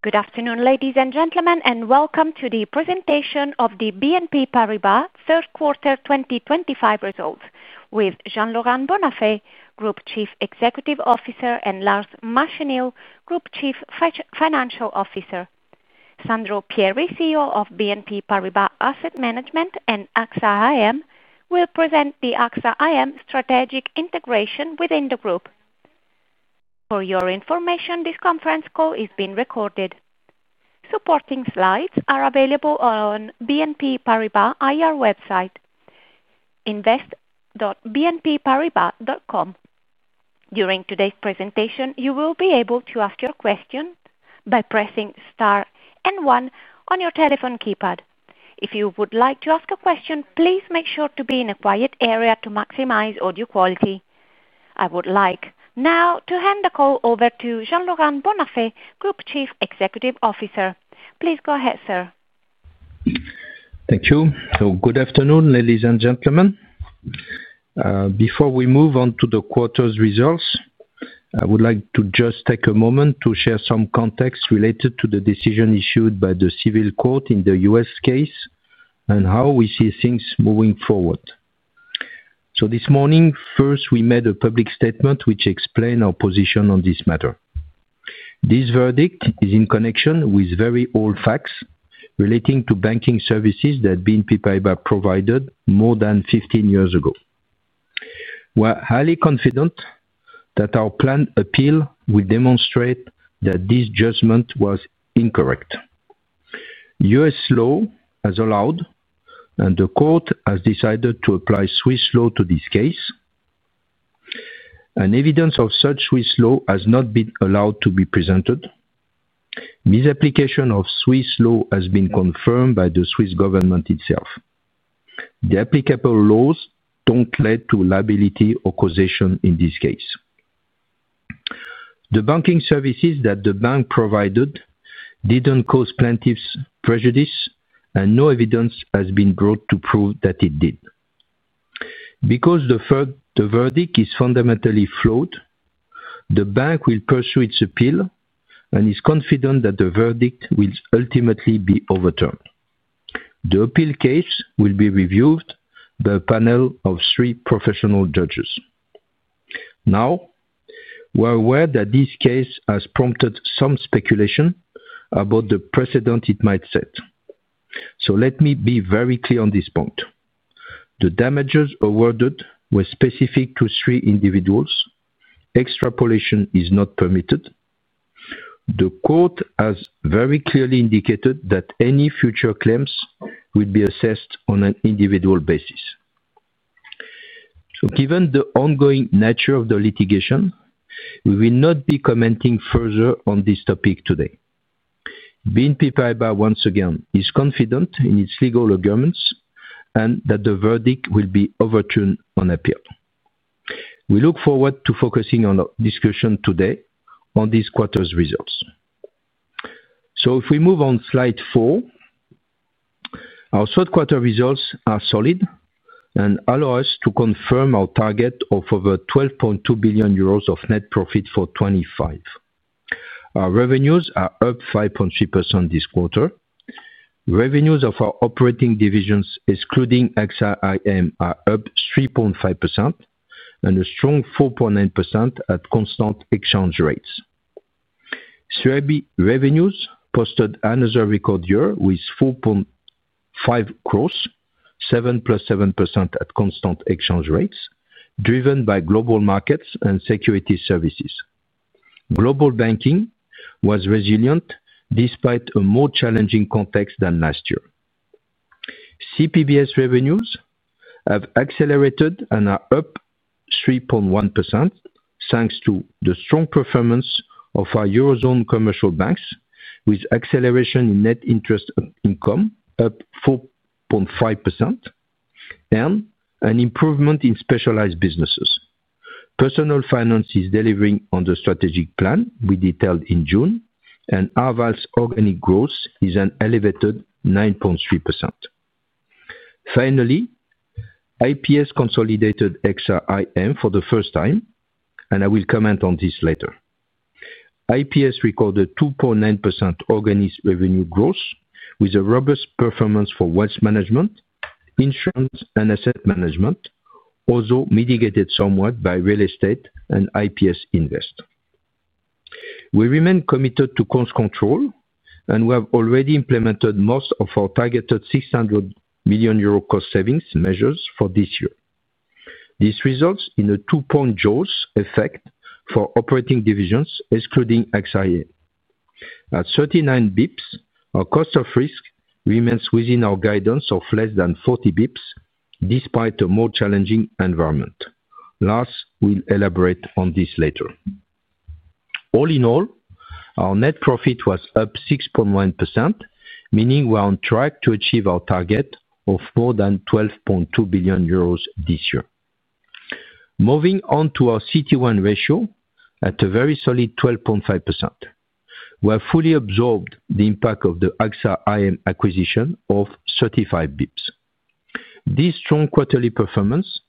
Good afternoon, ladies and gentlemen, and welcome to the presentation of the BNP Paribas Third Quarter 2025 Results with Jean-Laurent Bonnafé, Group Chief Executive Officer, and Lars Machenil, Group Chief Financial Officer. Sandro Pierri, CEO of BNP Paribas Asset Management and AXA IM, will present the AXA IM strategic integration within the group. For your information, this conference call is being recorded. Supporting slides are available on the BNP Paribas IR website, invest.bnpparibas.com. During today's presentation, you will be able to ask your question by pressing star and one on your telephone keypad. If you would like to ask a question, please make sure to be in a quiet area to maximize audio quality. I would like now to hand the call over to Jean-Laurent Bonnafé, Group Chief Executive Officer. Please go ahead, sir. Thank you. Good afternoon, ladies and gentlemen. Before we move on to the quarter's results, I would like to just take a moment to share some context related to the decision issued by the civil court in the U.S. case and how we see things moving forward. This morning, first, we made a public statement which explained our position on this matter. This verdict is in connection with very old facts relating to banking services that BNP Paribas provided more than 15 years ago. We are highly confident that our planned appeal will demonstrate that this judgment was incorrect. U.S. law has allowed, and the court has decided to apply Swiss law to this case. Evidence of such Swiss law has not been allowed to be presented. Misapplication of Swiss law has been confirmed by the Swiss government itself. The applicable laws do not lead to liability or causation in this case. The banking services that the bank provided did not cause plaintiff's prejudice, and no evidence has been brought to prove that it did. Because the verdict is fundamentally flawed, the bank will pursue its appeal and is confident that the verdict will ultimately be overturned. The appeal case will be reviewed by a panel of three professional judges. We are aware that this case has prompted some speculation about the precedent it might set. Let me be very clear on this point. The damages awarded were specific to three individuals. Extrapolation is not permitted. The court has very clearly indicated that any future claims will be assessed on an individual basis. Given the ongoing nature of the litigation, we will not be commenting further on this topic today. BNP Paribas, once again, is confident in its legal agreements and that the verdict will be overturned on appeal. We look forward to focusing our discussion today on this quarter's results. If we move on to slide four, our third quarter results are solid and allow us to confirm our target of over 12.2 billion euros of net profit for 2025. Our revenues are up 5.3% this quarter. Revenues of our operating divisions, excluding AXA IM, are up 3.5% and a strong 4.9% at constant exchange rates. CIB revenues posted another record year with INR 4.5,+7.7% at constant exchange rates, driven by Global Markets and Securities Services. Global Banking was resilient despite a more challenging context than last year. CPBS revenues have accelerated and are up 3.1% thanks to the strong performance of our Eurozone commercial banks, with acceleration in net interest income up 4.5% and an improvement in specialized businesses. Personal Finance is delivering on the strategic plan we detailed in June, and Arval's organic growth is an elevated 9.3%. Finally, IPS consolidated AXA IM for the first time, and I will comment on this later. IPS recorded 2.9% organic revenue growth with a robust performance for Wealth Management, Insurance, and Asset Management, also mitigated somewhat by real estate and IPS Invest. We remain committed to cost control, and we have already implemented most of our targeted 600 million euro cost savings measures for this year. This results in a two-point Jaws effect for operating divisions, excluding AXA IM. At 39 bps, our cost of risk remains within our guidance of less than 40 bps despite a more challenging environment. Lars will elaborate on this later. All in all, our net profit was up 6.1%, meaning we are on track to achieve our target of more than 12.2 billion euros this year. Moving on to our CET1 ratio at a very solid 12.5%, we have fully absorbed the impact of the AXA IM acquisition of 35 bps. This strong quarterly performance,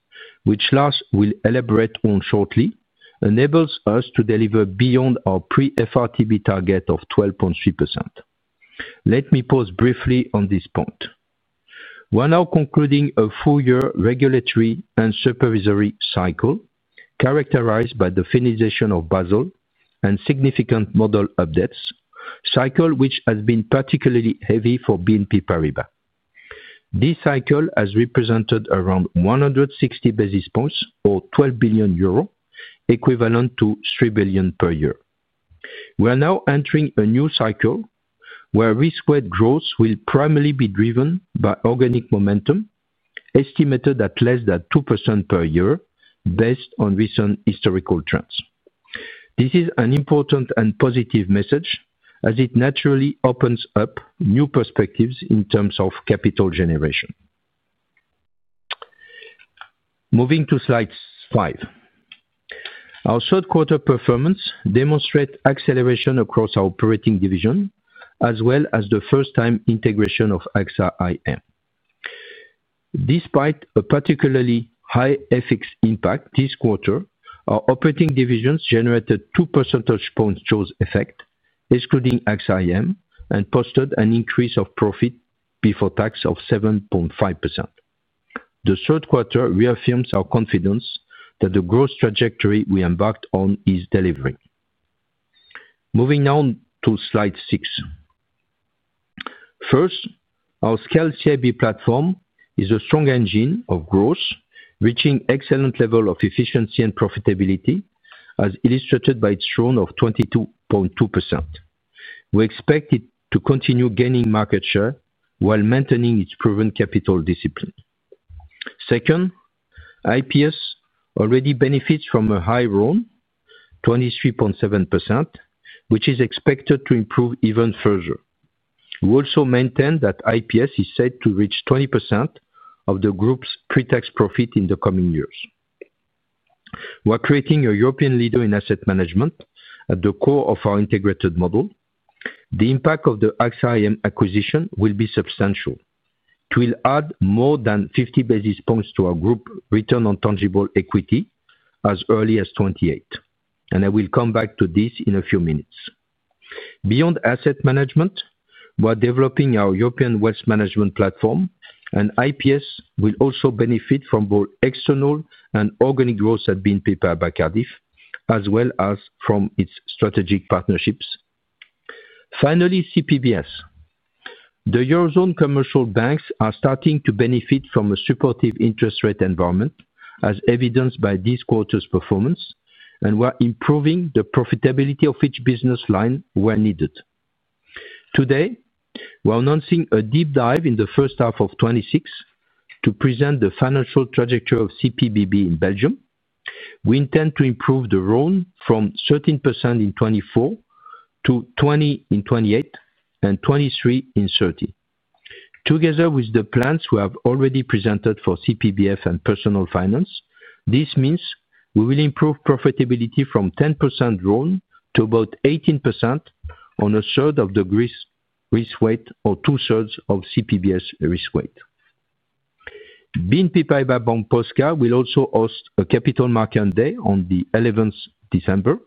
which Lars will elaborate on shortly, enables us to deliver beyond our pre-FRTB target of 12.3%. Let me pause briefly on this point. We are now concluding a four-year regulatory and supervisory cycle characterized by the finalization of Basel and significant model updates, a cycle which has been particularly heavy for BNP Paribas. This cycle has represented around 160 basis points, or 12 billion euro, equivalent to 3 billion per year. We are now entering a new cycle where risk-wide growth will primarily be driven by organic momentum estimated at less than 2% per year based on recent historical trends. This is an important and positive message as it naturally opens up new perspectives in terms of capital generation. Moving to slide five, our third quarter performance demonstrates acceleration across our operating division as well as the first-time integration of AXA IM. Despite a particularly high FX impact this quarter, our operating divisions generated two percentage points Jaws effect, excluding AXA IM, and posted an increase of profit before tax of 7.5%. The third quarter reaffirms our confidence that the growth trajectory we embarked on is delivering. Moving now to slide six. First, our scaled CIB platform is a strong engine of growth, reaching excellent levels of efficiency and profitability, as illustrated by its ROTE of 22.2%. We expect it to continue gaining market share while maintaining its proven capital discipline. Second, IPS already benefits from a high ROTE, 23.7%, which is expected to improve even further. We also maintain that IPS is set to reach 20% of the group's pre-tax profit in the coming years. We are creating a European leader in asset management at the core of our integrated model. The impact of the AXA IM acquisition will be substantial. It will add more than 50 basis points to our group return on tangible equity as early as 2028. I will come back to this in a few minutes. Beyond asset management, we are developing our European wealth management platform, and IPS will also benefit from both external and organic growth at BNP Paribas Cardif, as well as from its strategic partnerships. Finally, CPBS. The Eurozone commercial banks are starting to benefit from a supportive interest rate environment, as evidenced by this quarter's performance, and we are improving the profitability of each business line where needed. Today, we are announcing a deep dive in the first half of 2026 to present the financial trajectory of CPBB in Belgium. We intend to improve the ROTE from 13% in 2024 to 20% in 2028 and 23% in 2030. Together with the plans we have already presented for CPBF and Personal Finance, this means we will improve profitability from 10% ROTE to about 18% on a third of the risk weight or two-thirds of CPBS risk weight. BNP Paribas Bank Polska will also host a capital market day on the 11th of December.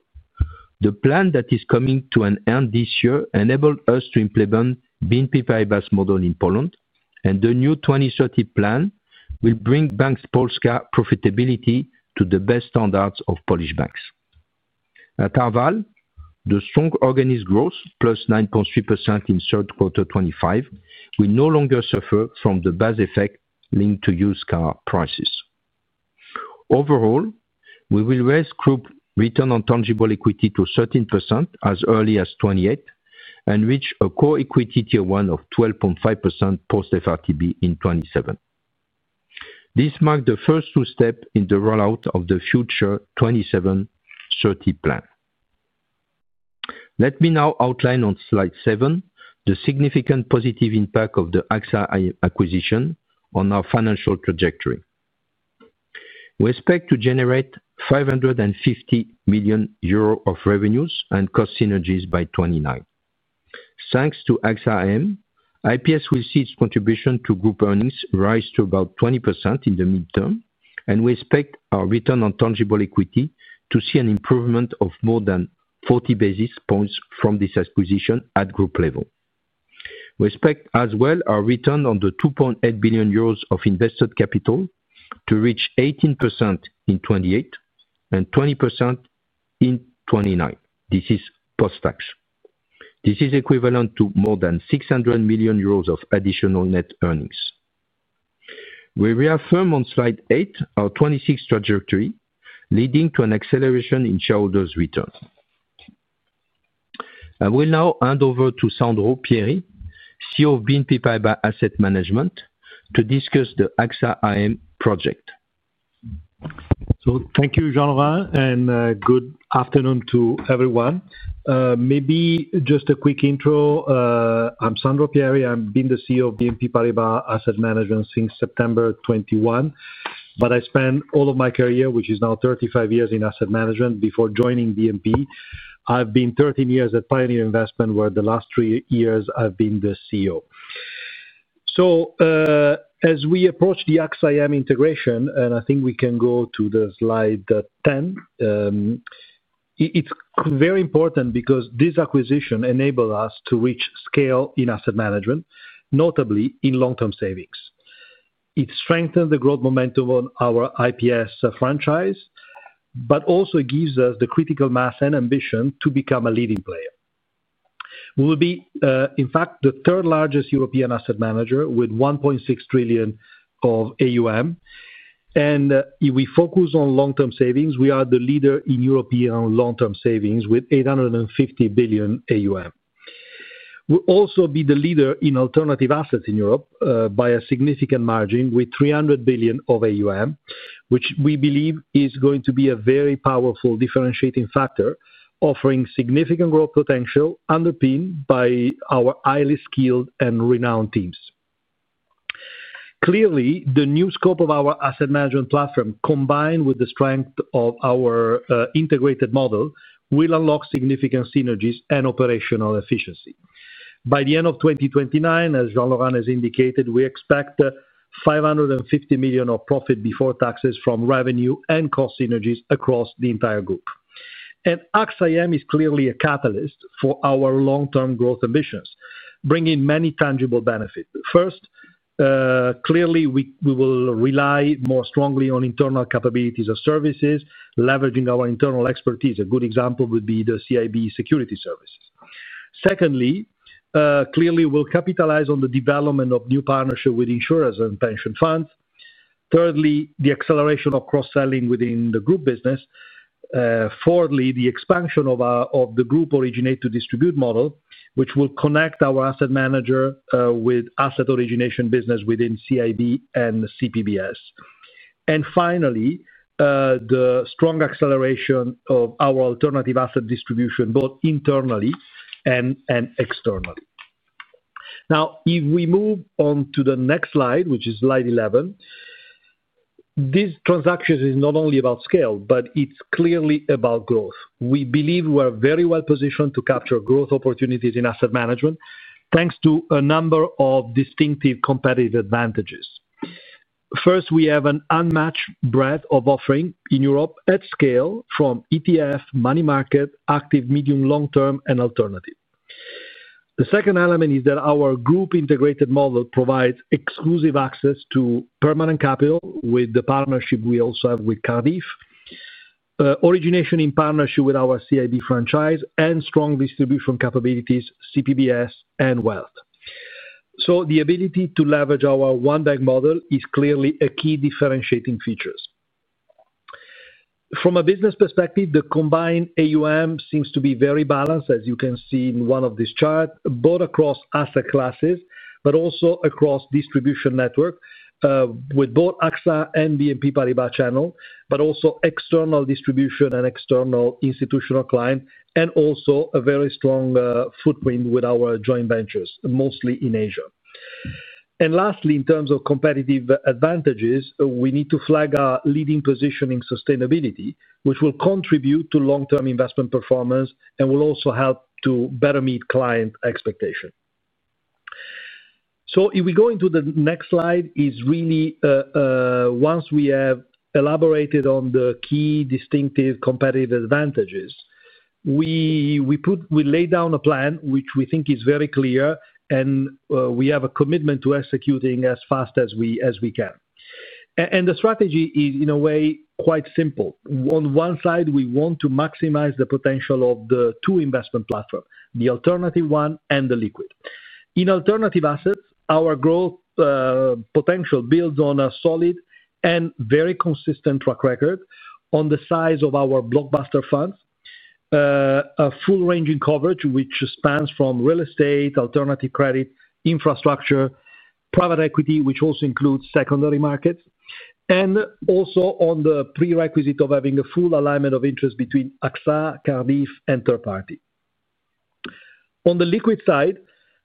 The plan that is coming to an end this year enables us to implement BNP Paribas' model in Poland, and the new 2030 plan will bring Bank Polska's profitability to the best standards of Polish banks. At Cardif, the strong organic growth, +9.3% in third quarter 2025, will no longer suffer from the buzz effect linked to used car prices. Overall, we will raise group return on tangible equity to 13% as early as 2028 and reach a Common Equity Tier 1 of 12.5% post-FRTB in 2027. This marks the first two steps in the rollout of the future 2027 to 2030 plan. Let me now outline on slide seven the significant positive impact of the AXA IM acquisition on our financial trajectory. We expect to generate 550 million euro of revenues and cost synergies by 2029. Thanks to AXA IM, IPS will see its contribution to group earnings rise to about 20% in the midterm, and we expect our return on tangible equity to see an improvement of more than 40 basis points from this acquisition at group level. We expect as well our return on the 2.8 billion euros of invested capital to reach 18% in 2028 and 20% in 2029. This is post-tax. This is equivalent to more than 600 million euros of additional net earnings. We reaffirm on slide eight our 2026 trajectory, leading to an acceleration in shareholders' return. I will now hand over to Sandro Pierri, CEO of BNP Paribas Asset Management, to discuss the AXA IM project. Thank you, Jean-Laurent, and good afternoon to everyone. Maybe just a quick intro. I'm Sandro Pierri. I've been the CEO of BNP Paribas Asset Management since September 2021. I spent all of my career, which is now 35 years, in asset management before joining BNP. I've been 13 years at Pioneer Investment, where the last three years I've been the CEO. As we approach the AXA IM integration, and I think we can go to slide 10, it's very important because this acquisition enabled us to reach scale in asset management, notably in long-term savings. It strengthened the growth momentum on our IPS franchise, but also gives us the critical mass and ambition to become a leading player. We will be, in fact, the third largest European asset manager with 1.6 trillion of AUM. If we focus on long-term savings, we are the leader in European long-term savings with 850 billion AUM. We'll also be the leader in alternative assets in Europe by a significant margin with 300 billion of AUM, which we believe is going to be a very powerful differentiating factor, offering significant growth potential underpinned by our highly skilled and renowned teams. Clearly, the new scope of our asset management platform, combined with the strength of our integrated model, will unlock significant synergies and operational efficiency. By the end of 2029, as Jean-Laurent has indicated, we expect 550 million of profit before taxes from revenue and cost synergies across the entire group. AXA IM is clearly a catalyst for our long-term growth ambitions, bringing many tangible benefits. First, clearly, we will rely more strongly on internal capabilities of services, leveraging our internal expertise. A good example would be the CIB Securities Services. Secondly, clearly, we'll capitalize on the development of new partnerships with insurers and pension funds. Thirdly, the acceleration of cross-selling within the group business. Fourthly, the expansion of the group originator-distribute model, which will connect our asset manager with asset origination business within CIB and CPBS. Finally, the strong acceleration of our alternative asset distribution, both internally and externally. If we move on to the next slide, which is slide 11, this transaction is not only about scale, but it's clearly about growth. We believe we are very well positioned to capture growth opportunities in asset management, thanks to a number of distinctive competitive advantages. First, we have an unmatched breadth of offering in Europe at scale from ETF, money market, active, medium, long-term, and alternative. The second element is that our group integrated model provides exclusive access to permanent capital with the partnership we also have with Cardif, origination in partnership with our CIB franchise, and strong distribution capabilities, CPBS, and wealth. The ability to leverage our one-bank model is clearly a key differentiating feature. From a business perspective, the combined AUM seems to be very balanced, as you can see in one of these charts, both across asset classes, but also across distribution network with both AXA and BNP Paribas channel, but also external distribution and external institutional clients, and also a very strong footprint with our joint ventures, mostly in Asia. Lastly, in terms of competitive advantages, we need to flag our leading position in sustainability, which will contribute to long-term investment performance and will also help to better meet client expectations. If we go into the next slide, it's really once we have elaborated on the key distinctive competitive advantages, we lay down a plan which we think is very clear, and we have a commitment to executing as fast as we can. The strategy is, in a way, quite simple. On one side, we want to maximize the potential of the two investment platforms, the alternative one and the liquid. In alternative assets, our growth potential builds on a solid and very consistent track record on the size of our blockbuster funds, a full range in coverage, which spans from real estate, alternative credit, infrastructure, private equity, which also includes secondary markets, and also on the prerequisite of having a full alignment of interest between AXA, Cardif, and third-party. On the liquid side,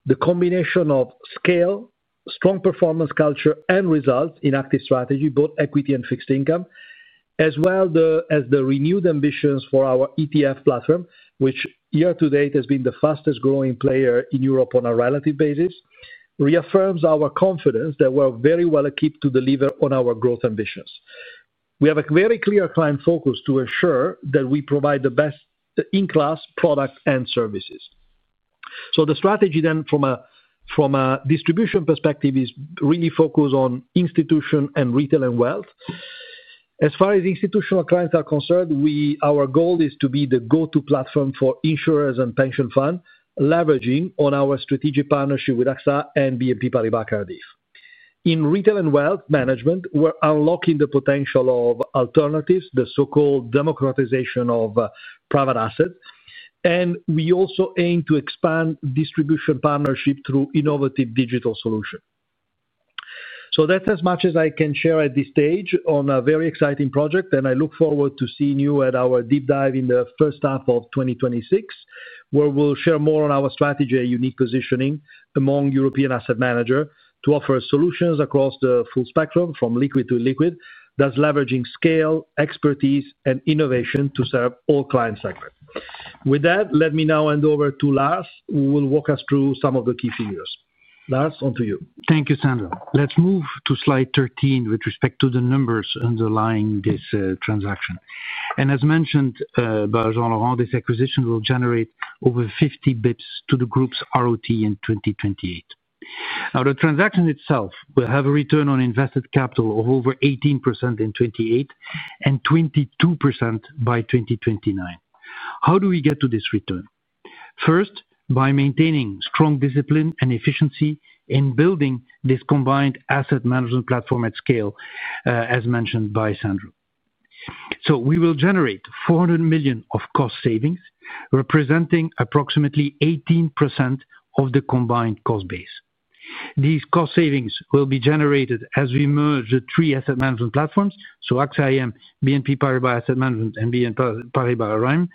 the combination of scale, strong performance culture, and results in active strategy, both equity and fixed income, as well as the renewed ambitions for our ETF platform, which year to date has been the fastest growing player in Europe on a relative basis, reaffirms our confidence that we're very well-equipped to deliver on our growth ambitions. We have a very clear client focus to ensure that we provide the best in-class product and services. The strategy then, from a distribution perspective, is really focused on institution and retail and wealth. As far as institutional clients are concerned, our goal is to be the go-to platform for insurers and pension funds, leveraging on our strategic partnership with AXA and BNP Paribas Cardif. In retail and wealth management, we're unlocking the potential of alternatives, the so-called democratization of private assets, and we also aim to expand distribution partnership through innovative digital solutions. That's as much as I can share at this stage on a very exciting project, and I look forward to seeing you at our deep dive in the first half of 2026, where we'll share more on our strategy and unique positioning among European asset managers to offer solutions across the full spectrum from liquid to illiquid, thus leveraging scale, expertise, and innovation to serve all client segments. With that, let me now hand over to Lars, who will walk us through some of the key figures. Lars, onto you. Thank you, Sandro. Let's move to slide 13 with respect to the numbers underlying this transaction. As mentioned by Jean-Laurent, this acquisition will generate over 50 bps to the group's ROTE in 2028. The transaction itself will have a return on invested capital of over 18% in 2028 and 22% by 2029. How do we get to this return? First, by maintaining strong discipline and efficiency in building this combined asset management platform at scale, as mentioned by Sandro. We will generate 400 million of cost savings, representing approximately 18% of the combined cost base. These cost savings will be generated as we merge the three asset management platforms, so AXA IM, BNP Paribas Asset Management, and BNP Paribas RIM,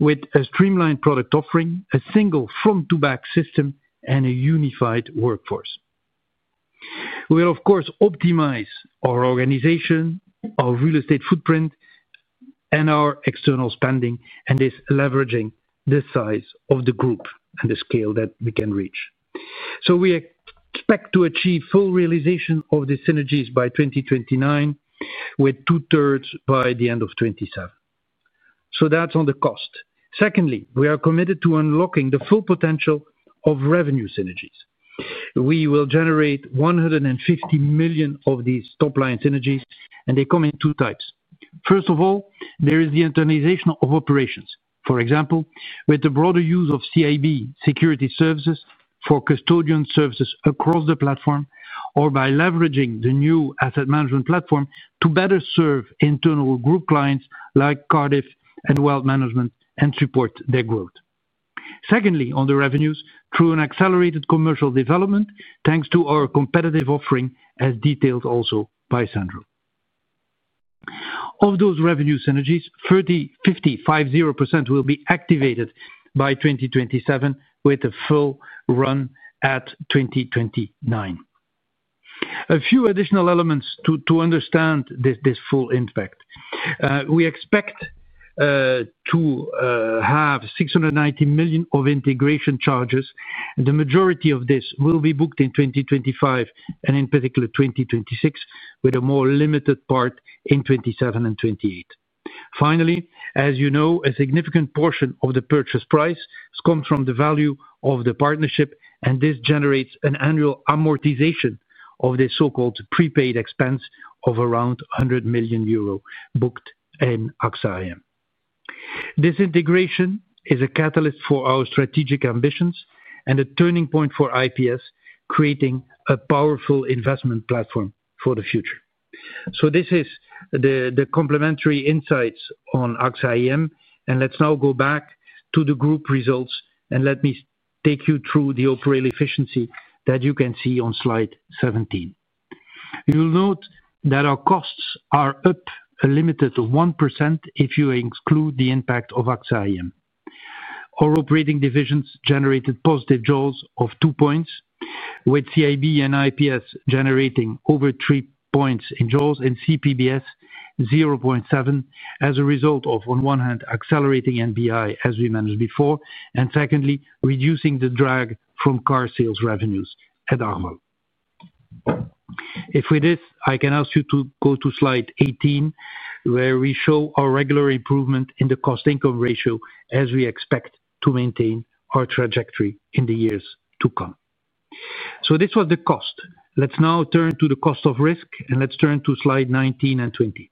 with a streamlined product offering, a single front-to-back system, and a unified workforce. We will, of course, optimize our organization, our real estate footprint, and our external spending, and this leveraging the size of the group and the scale that we can reach. We expect to achieve full realization of the synergies by 2029, with two-thirds by the end of 2027. That's on the cost. Secondly, we are committed to unlocking the full potential of revenue synergies. We will generate 150 million of these top-line synergies, and they come in two types. First of all, there is the internalization of operations. For example, with the broader use of CIB Securities Services for custodian services across the platform, or by leveraging the new asset management platform to better serve internal group clients like Cardif and Wealth Management and support their growth. Secondly, on the revenues, through an accelerated commercial development, thanks to our competitive offering, as detailed also by Sandro. Of those revenue synergies, 30%, 50%, 50% will be activated by 2027, with a full run at 2029. A few additional elements to understand this full impact. We expect to have 690 million of integration charges. The majority of this will be booked in 2025, and in particular 2026, with a more limited part in 2027 and 2028. Finally, as you know, a significant portion of the purchase price comes from the value of the partnership, and this generates an annual amortization of the so-called prepaid expense of around 100 million euro booked in AXA IM. This integration is a catalyst for our strategic ambitions and a turning point for IPS, creating a powerful investment platform for the future. This is the complementary insights on AXA IM, and let's now go back to the group results, and let me take you through the operating efficiency that you can see on slide 17. You'll note that our costs are up a limited 1% if you exclude the impact of AXA IM. Our operating divisions generated positive Jaws of two points, with CIB and IPS generating over three points in Jaws, and CPBS 0.7 as a result of, on one hand, accelerating NBI, as we mentioned before, and secondly, reducing the drag from car sales revenues at Arval. If with this, I can ask you to go to slide 18, where we show our regular improvement in the cost-income ratio as we expect to maintain our trajectory in the years to come. This was the cost. Let's now turn to the cost of risk, and let's turn to slide 19 and 20.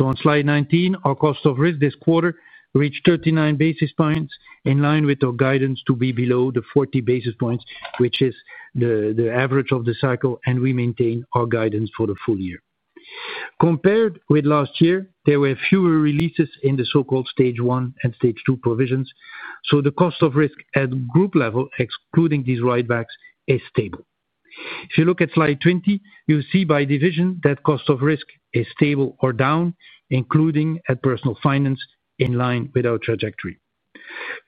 On slide 19, our cost of risk this quarter reached 39 basis points, in line with our guidance to be below the 40 basis points, which is the average of the cycle, and we maintain our guidance for the full year. Compared with last year, there were fewer releases in the so-called stage one and stage two provisions, so the cost of risk at group level, excluding these ride backs, is stable. If you look at slide 20, you'll see by division that cost of risk is stable or down, including at personal finance, in line with our trajectory.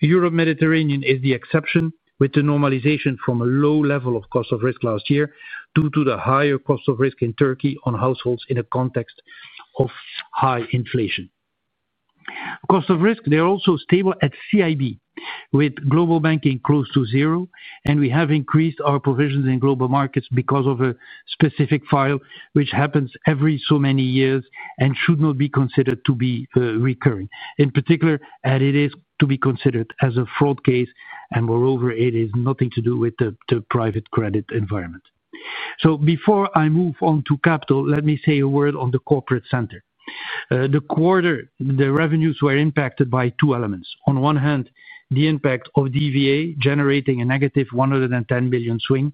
Europe Mediterranean is the exception, with the normalization from a low level of cost of risk last year due to the higher cost of risk in Turkey on households in a context of high inflation. Cost of risk, they're also stable at CIB, with global banking close to zero, and we have increased our provisions in global markets because of a specific file, which happens every so many years and should not be considered to be recurring. In particular, it is to be considered as a fraud case, and moreover, it has nothing to do with the private credit environment. Before I move on to capital, let me say a word on the Corporate Center. The quarter, the revenues were impacted by two elements. On one hand, the impact of DVA generating a -110 million swing,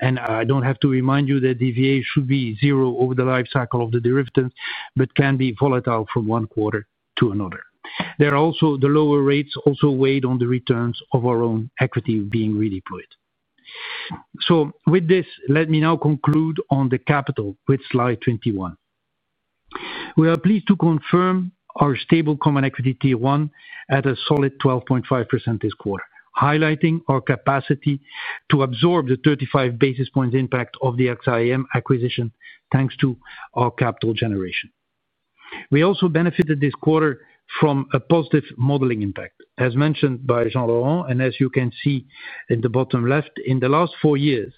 and I don't have to remind you that DVA should be zero over the lifecycle of the derivatives, but can be volatile from one quarter to another. The lower rates also weighed on the returns of our own equity being redeployed. With this, let me now conclude on the capital with slide 21. We are pleased to confirm our stable Common Equity Tier 1 at a solid 12.5% this quarter, highlighting our capacity to absorb the 35 basis points impact of the AXA IM acquisition, thanks to our capital generation. We also benefited this quarter from a positive modeling impact, as mentioned by Jean-Laurent, and as you can see in the bottom left, in the last four years,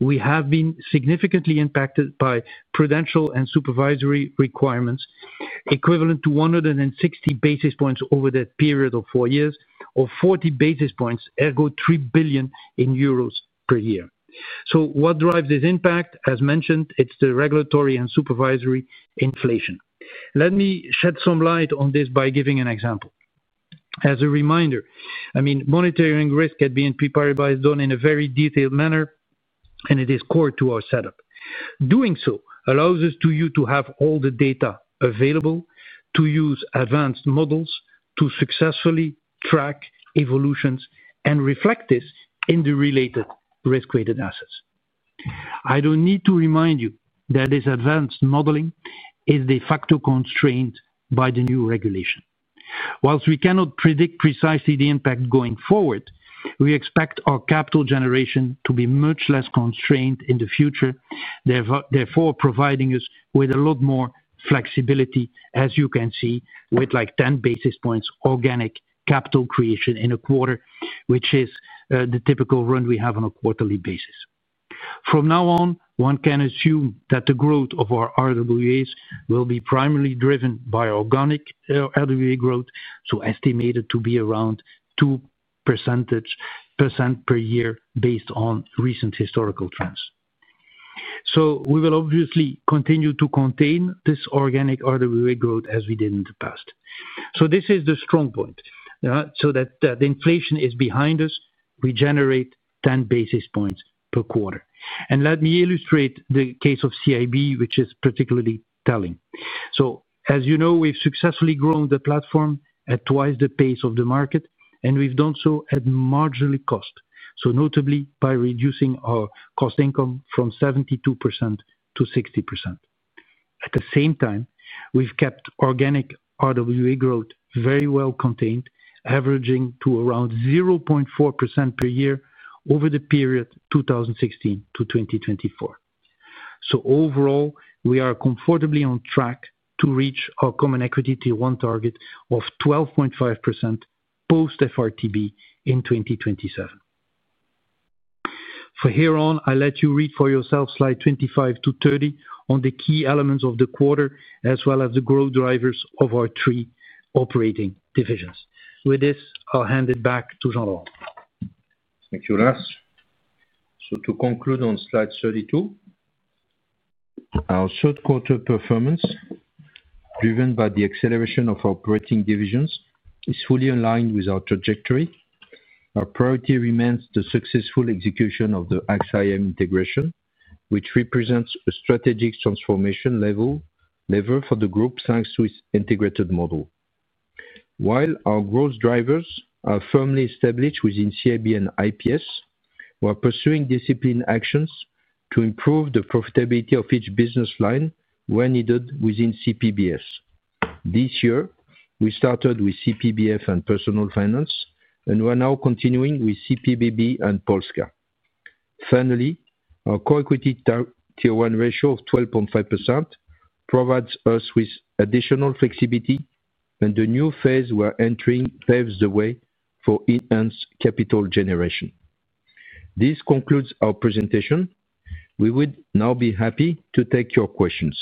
we have been significantly impacted by prudential and supervisory requirements, equivalent to 160 basis points over that period of four years, or 40 basis points, ergo 3 billion euros per year. What drives this impact? As mentioned, it's the regulatory and supervisory inflation. Let me shed some light on this by giving an example. As a reminder, monitoring risk at BNP Paribas is done in a very detailed manner, and it is core to our setup. Doing so allows us to have all the data available to use advanced models to successfully track evolutions and reflect this in the related risk-weighted assets. I don't need to remind you that this advanced modeling is de facto constrained by the new regulation. Whilst we cannot predict precisely the impact going forward, we expect our capital generation to be much less constrained in the future, therefore providing us with a lot more flexibility, as you can see, with like 10 basis points organic capital creation in a quarter, which is the typical run we have on a quarterly basis. From now on, one can assume that the growth of our RWAs will be primarily driven by organic RWA growth, so estimated to be around 2% per year based on recent historical trends. We will obviously continue to contain this organic RWA growth as we did in the past. This is the strong point. The inflation is behind us, we generate 10 basis points per quarter. Let me illustrate the case of CIB, which is particularly telling. As you know, we've successfully grown the platform at twice the pace of the market, and we've done so at marginal cost, notably by reducing our cost income from 72% to 60%. At the same time, we've kept organic RWA growth very well contained, averaging to around 0.4% per year over the period 2016 to 2024. Overall, we are comfortably on track to reach our Common Equity Tier 1 target of 12.5% post-FRTB in 2027. From here on, I'll let you read for yourself slide 25 to 30 on the key elements of the quarter, as well as the growth drivers of our three operating divisions. With this, I'll hand it back to Jean-Laurent. Thank you, Lars. To conclude on slide 32, our third quarter performance, driven by the acceleration of our operating divisions, is fully aligned with our trajectory. Our priority remains the successful execution of the AXA IM integration, which represents a strategic transformation level for the group, thanks to its integrated model. While our growth drivers are firmly established within CIB and IPS, we are pursuing disciplined actions to improve the profitability of each business line when needed within CPBS. This year, we started with CPBF and Personal Finance, and we are now continuing with CPBB and Polska. Finally, our Common Equity Tier 1 ratio of 12.5% provides us with additional flexibility, and the new phase we're entering paves the way for enhanced capital generation. This concludes our presentation. We would now be happy to take your questions.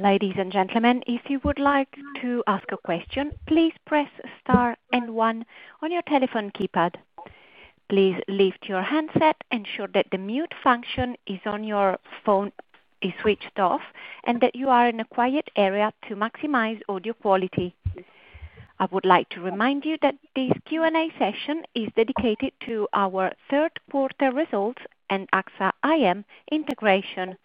Ladies and gentlemen, if you would like to ask a question, please press star and one on your telephone keypad. Please lift your handset, ensure that the mute function on your phone is switched off, and that you are in a quiet area to maximize audio quality. I would like to remind you that this Q&A session is dedicated to our third quarter results and AXA IM integration.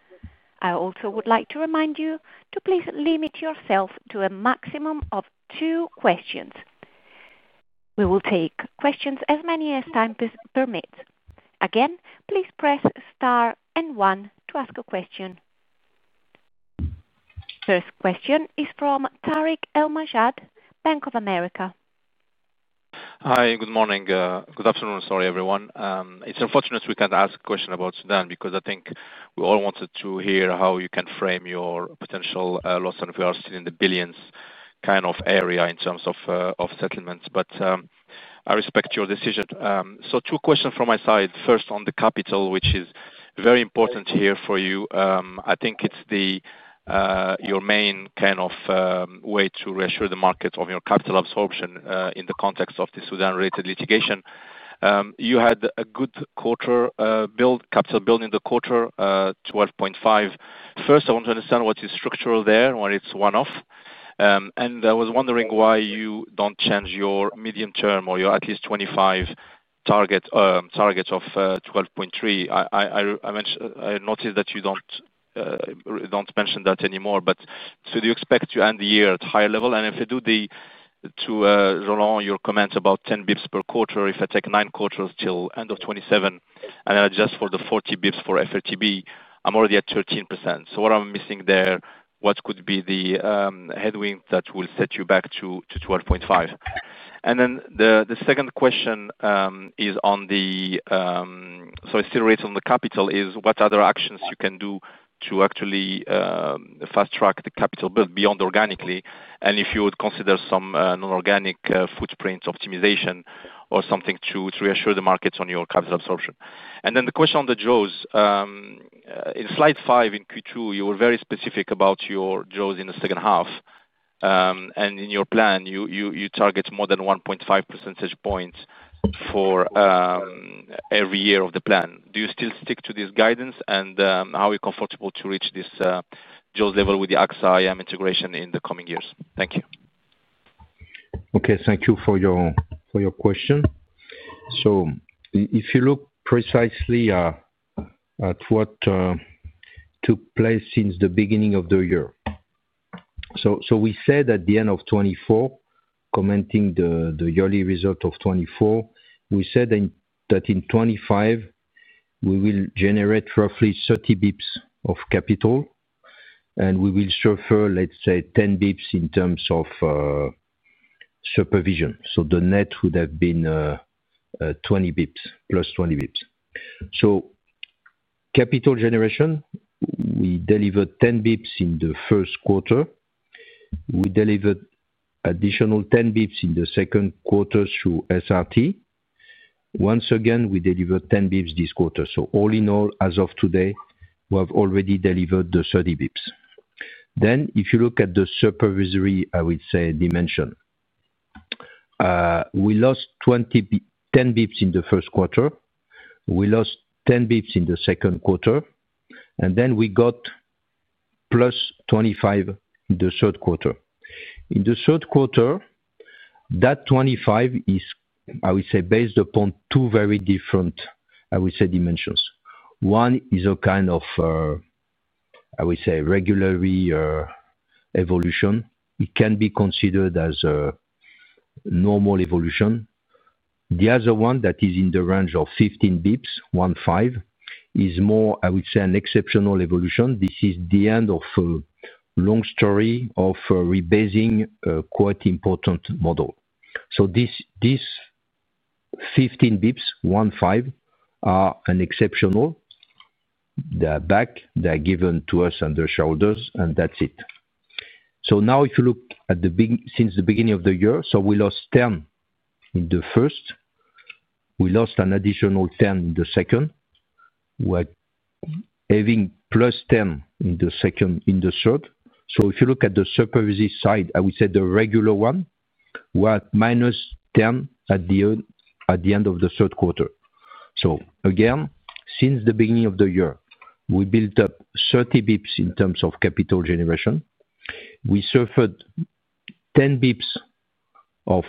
I also would like to remind you to please limit yourself to a maximum of two questions. We will take questions as many as time permits. Again, please press star and one to ask a question. First question is from Tarik El Mejjad, Bank of America. Hi, good morning. Good afternoon, sorry, everyone. It's unfortunate we can't ask a question about Sudan because I think we all wanted to hear how you can frame your potential loss and we are still in the billions kind of area in terms of settlements. I respect your decision. Two questions from my side. First, on the capital, which is very important here for you. I think it's your main kind of way to reassure the market of your capital absorption in the context of the Sudan-related litigation. You had a good capital build in the quarter, 12.5. First, I want to understand what is structural there, why it's one-off. I was wondering why you don't change your medium-term or your at least 2025 target of 12.3. I noticed that you don't mention that anymore, but do you expect to end the year at a higher level? If I do, to Jean-Laurent, your comment about 10 bps per quarter, if I take nine quarters till end of 2027 and then adjust for the 40 bps for FRTB, I'm already at 13%. What am I missing there, what could be the headwind that will set you back to 12.5? The second question is on the, still on the capital, is what other actions you can do to actually fast track the capital build beyond organically? Would you consider some non-organic footprint optimization or something to reassure the markets on your capital absorption? The question on the Jaws. In slide five in Q2, you were very specific about your Jaws in the second half. In your plan, you target more than 1.5 percentage points for every year of the plan. Do you still stick to this guidance, and how are you comfortable to reach this Jaws level with the AXA IM integration in the coming years? Thank you. Okay, thank you for your question. If you look precisely at what took place since the beginning of the year, we said at the end of 2024, commenting the yearly result of 2024, that in 2025, we will generate roughly 30 bps of capital, and we will suffer, let's say, 10 bps in terms of supervision. The net would have been 20 bps, plus 20 bps. Capital generation, we delivered 10 bps in the first quarter. We delivered additional 10 bps in the second quarter through SRT. Once again, we delivered 10 bps this quarter. All in all, as of today, we have already delivered the 30 bps. If you look at the supervisory, I would say, dimension, we lost 10 bps in the first quarter. We lost 10 bps in the second quarter. Then we got +25 bps in the third quarter. In the third quarter, that 25 bps is, I would say, based upon two very different, I would say, dimensions. One is a kind of, I would say, regular evolution. It can be considered as a normal evolution. The other one that is in the range of 15 bps, one five, is more, I would say, an exceptional evolution. This is the end of a long story of rebasing a quite important model. These 15 bps, one five, are an exceptional. They're back. They're given to us on the shoulders, and that's it. If you look at the big since the beginning of the year, we lost 10 bps in the first. We lost an additional 10 in the second. We're having +10 bps in the second, in the third. If you look at the supervisory side, I would say the regular one, we're at -10 bps at the end of the third quarter. Again, since the beginning of the year, we built up 30 bps in terms of capital generation. We suffered 10 bps of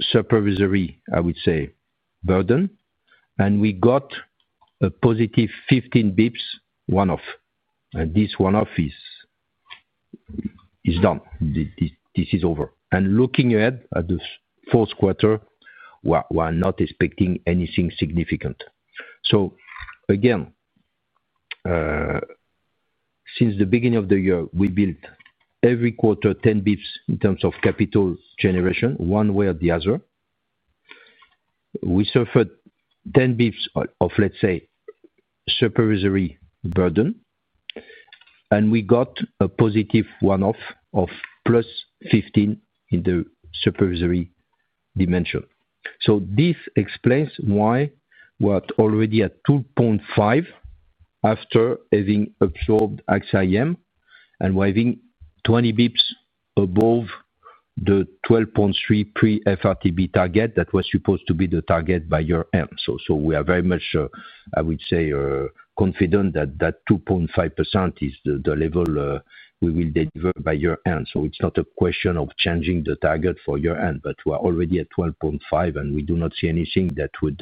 supervisory, I would say, burden, and we got a +15 bps one-off. This one-off is done. This is over. Looking ahead at the fourth quarter, we're not expecting anything significant. Again, since the beginning of the year, we built every quarter 10 bps in terms of capital generation, one way or the other. We suffered 10 bps of, let's say, supervisory burden, and we got a positive one-off of +15 bps in the supervisory dimension. This explains why we're already at 2.5% after having absorbed AXA IM and we're having 20 bps above the 12.3% pre-FRTB target that was supposed to be the target by year-end. We are very much, I would say, confident that that 2.5% is the level we will deliver by year-end. It's not a question of changing the target for year-end, but we're already at 12.5%, and we do not see anything that would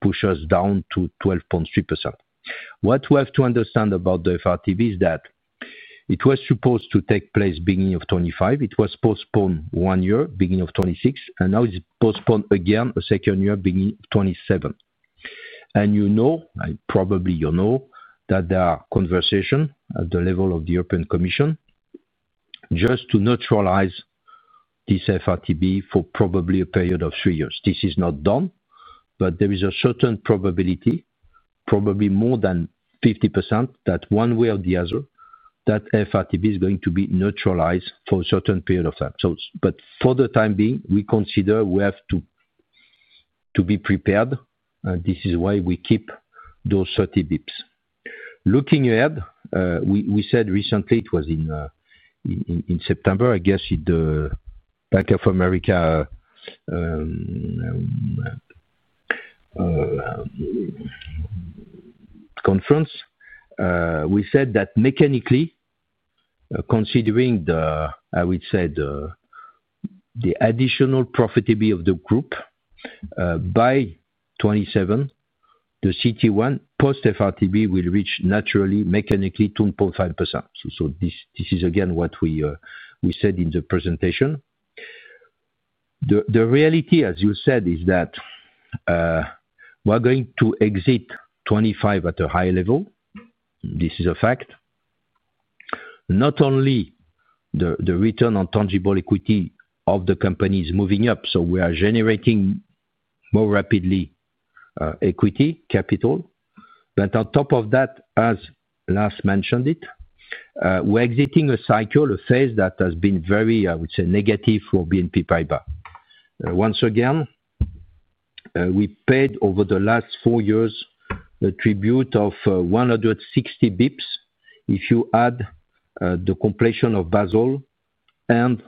push us down to 12.3%. What we have to understand about the FRTB is that it was supposed to take place beginning of 2025. It was postponed one year, beginning of 2026, and now it's postponed again a second year, beginning of 2027. You know, I probably, you know that there are conversations at the level of the European Commission just to neutralize this FRTB for probably a period of three years. This is not done, but there is a certain probability, probably more than 50%, that one way or the other, that FRTB is going to be neutralized for a certain period of time. For the time being, we consider we have to be prepared, and this is why we keep those 30 bps. Looking ahead, we said recently it was in September, I guess, at the Bank of America conference. We said that mechanically, considering the, I would say, the additional profitability of the group by 2027, the CET1 post-FRTB will reach naturally, mechanically, 2.5%. This is again what we said in the presentation. The reality, as you said, is that we're going to exit 2025 at a high level. This is a fact. Not only the return on tangible equity of the company is moving up, so we are generating more rapidly equity capital, but on top of that, as Lars mentioned it, we're exiting a cycle, a phase that has been very, I would say, negative for BNP Paribas. Once again, we paid over the last four years the tribute of 160 bps if you add the completion of Basel and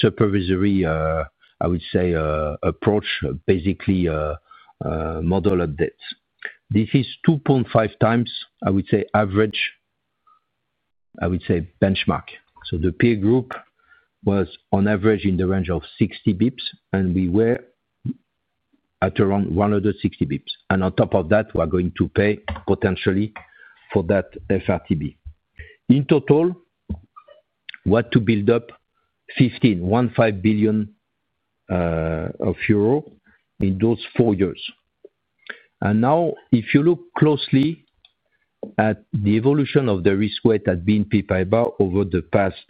supervisory, I would say, approach, basically model updates. This is 2.5X, I would say, average, I would say, benchmark. The peer group was on average in the range of 60 bps, and we were at around 160 bps. On top of that, we're going to pay potentially for that FRTB. In total, we had to build up 15 billion euro in those four years. Now, if you look closely at the evolution of the risk weight at BNP Paribas over the past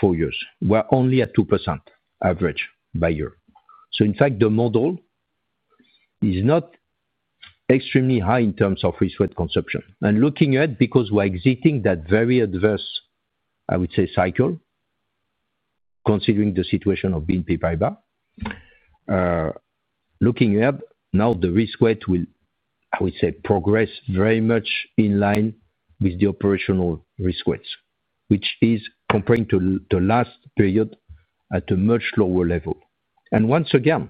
four years, we're only at 2% average by year. In fact, the model is not extremely high in terms of risk weight consumption. Looking ahead, because we're exiting that very adverse, I would say, cycle, considering the situation of BNP Paribas, looking ahead, now the risk weight will, I would say, progress very much in line with the operational risk weights, which is comparing to the last period at a much lower level. Once again,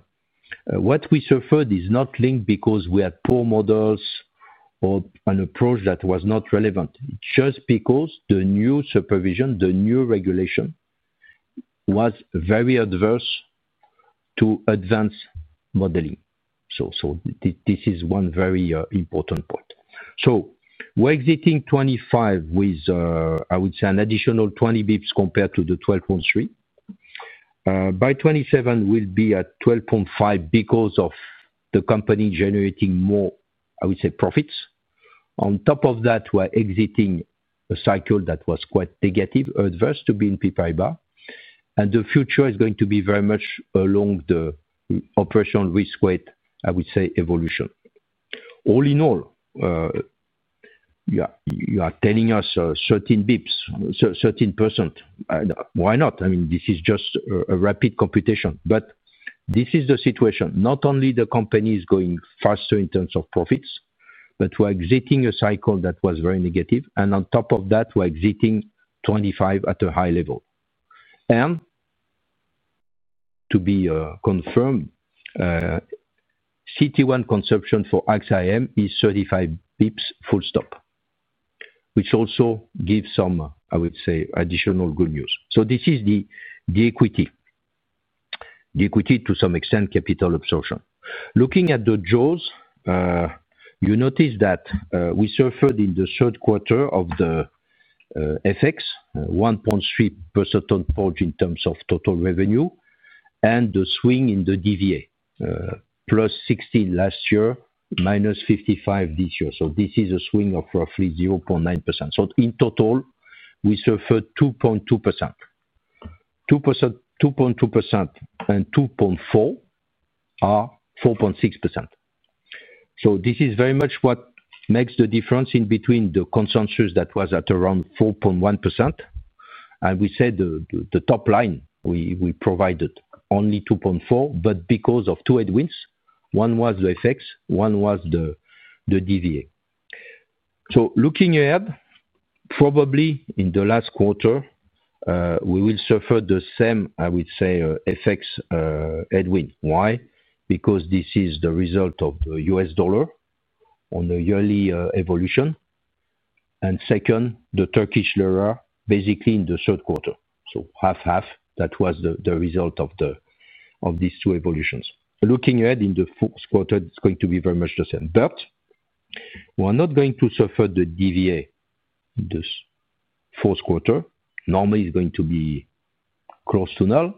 what we suffered is not linked because we had poor models or an approach that was not relevant. It's just because the new supervision, the new regulation was very adverse to advanced modeling. This is one very important point. We're exiting 2025 with, I would say, an additional 20 bps compared to the 12.3. By 2027, we'll be at 12.5 because of the company generating more, I would say, profits. On top of that, we're exiting a cycle that was quite negative, adverse to BNP Paribas, and the future is going to be very much along the operational risk weight, I would say, evolution. All in all, you are telling us 13 bps, 13%. Why not? I mean, this is just a rapid computation. This is the situation. Not only the company is going faster in terms of profits, but we're exiting a cycle that was very negative. On top of that, we're exiting 2025 at a high level. To be confirmed, CET1 consumption for AXA IM is 35 bps, full stop, which also gives some, I would say, additional good news. This is the equity, the equity to some extent, capital absorption. Looking at the Jaws, you notice that we suffered in the third quarter from the FX, 1.3% on porch in terms of total revenue, and the swing in the DVA, +16 last year, -55 this year. This is a swing of roughly 0.9%. In total, we suffered 2.2%. 2.2% and 2.4% are 4.6%. This is very much what makes the difference in between the consensus that was at around 4.1%. We said the top line, we provided only 2.4%, but because of two headwinds, one was the FX, one was the DVA. Looking ahead, probably in the last quarter, we will suffer the same, I would say, FX headwind. Why? This is the result of the U.S. dollar on the yearly evolution. Second, the Turkish lira, basically in the third quarter. Half-half, that was the result of these two evolutions. Looking ahead in the fourth quarter, it's going to be very much the same. We're not going to suffer the DVA in this fourth quarter. Normally, it's going to be close to null.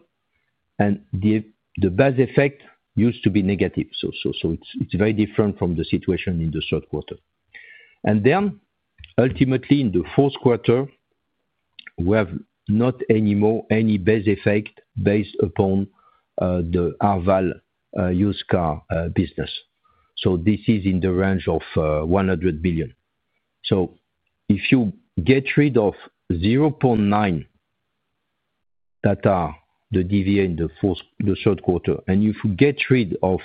The base effect used to be negative. It's very different from the situation in the third quarter. Ultimately, in the fourth quarter, we have not anymore any base effect based upon the Arval [Used Car] business. This is in the range of $100 billion. If you get rid of 0.9 that are the DVA in the third quarter, and if you get rid of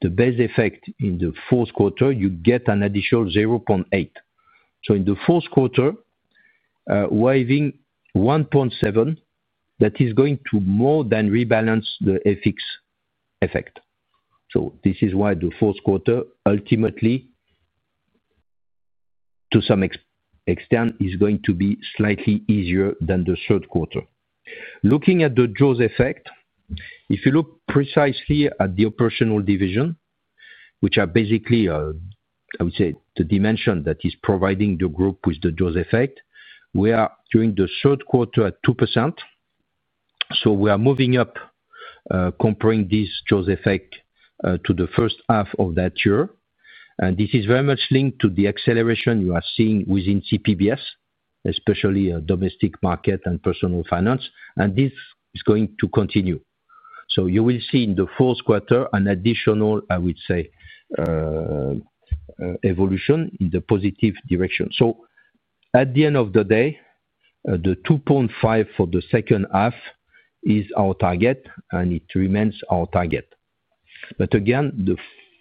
the base effect in the fourth quarter, you get an additional 0.8. In the fourth quarter, we're having $1.7 billion that is going to more than rebalance the FX effect. This is why the fourth quarter ultimately, to some extent, is going to be slightly easier than the third quarter. Looking at the Jaws effect, if you look precisely at the operating divisions, which are basically, I would say, the dimension that is providing the group with the Jaws effect, we are during the third quarter at 2%. We are moving up, comparing this Jaws effect to the first half of that year. This is very much linked to the acceleration you are seeing within CPBS, especially domestic markets and personal finance. This is going to continue. You will see in the fourth quarter an additional, I would say, evolution in the positive direction. At the end of the day, the 2.5% for the second half is our target, and it remains our target. The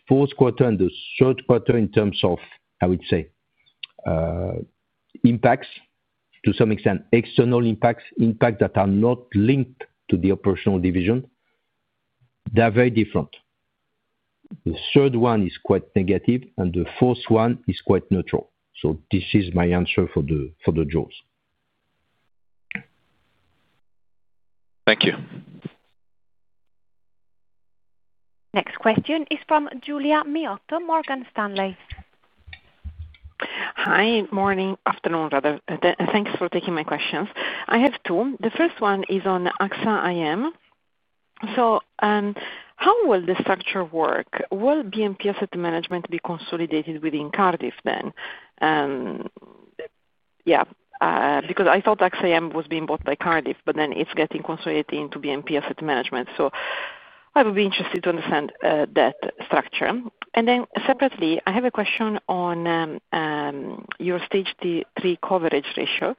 fourth quarter and the third quarter in terms of, I would say, impacts, to some extent, external impacts, impacts that are not linked to the operating divisions, they're very different. The third one is quite negative, and the fourth one is quite neutral. This is my answer for the Jaws. Thank you. Next question is from Giulia Miotto from Morgan Stanley. Hi, morning, afternoon, rather. Thanks for taking my questions. I have two. The first one is on AXA IM. How will the structure work? Will BNP Asset Management be consolidated within Cardif then? I thought AXA IM was being bought by Cardif, but then it's getting consolidated into BNP Asset Management. I would be interested to understand that structure. Separately, I have a question on your stage three coverage ratio,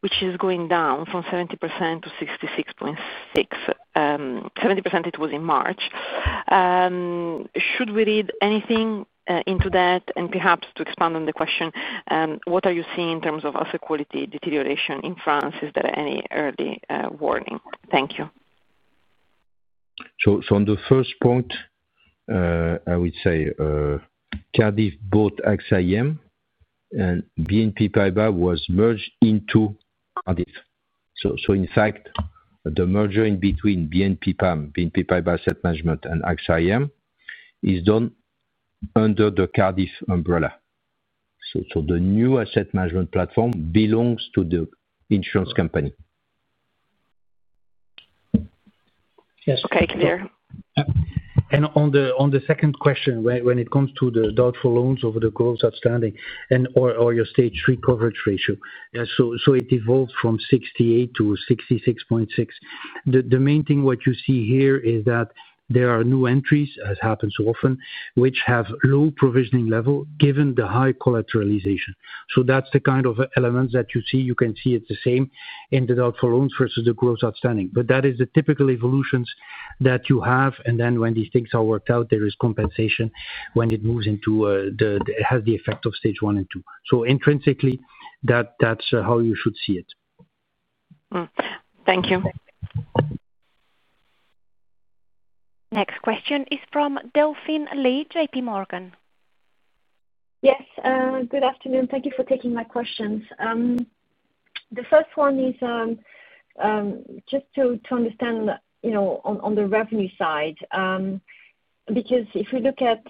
which is going down from 70% to 66.6%. 70% it was in March. Should we read anything into that? Perhaps to expand on the question, what are you seeing in terms of asset quality deterioration in France? Is there any early warning? Thank you. On the first point, I would say Cardif bought AXA IM, and BNP Paribas was merged into Cardif. In fact, the merger between BNP Paribas Asset Management, and AXA IM is done under the Cardif umbrella. The new asset management platform belongs to the insurance company. Yes, very clear. On the second question, when it comes to the doubtful loans over the gross outstanding, and your stage three coverage ratio, it evolved from 68 to 66.6. The main thing you see here is that there are new entries, as happens so often, which have low provisioning level given the high collateralization. That's the kind of elements that you see. You can see it's the same in the doubtful loans versus the gross outstanding. That is the typical evolutions that you have. When these things are worked out, there is compensation when it moves into the effect of stage one and two. Intrinsically, that's how you should see it. Thank you. Next question is from Delphine Lee, JPMorgan. Yes, good afternoon. Thank you for taking my questions. The first one is just to understand, you know, on the revenue side, because if we look at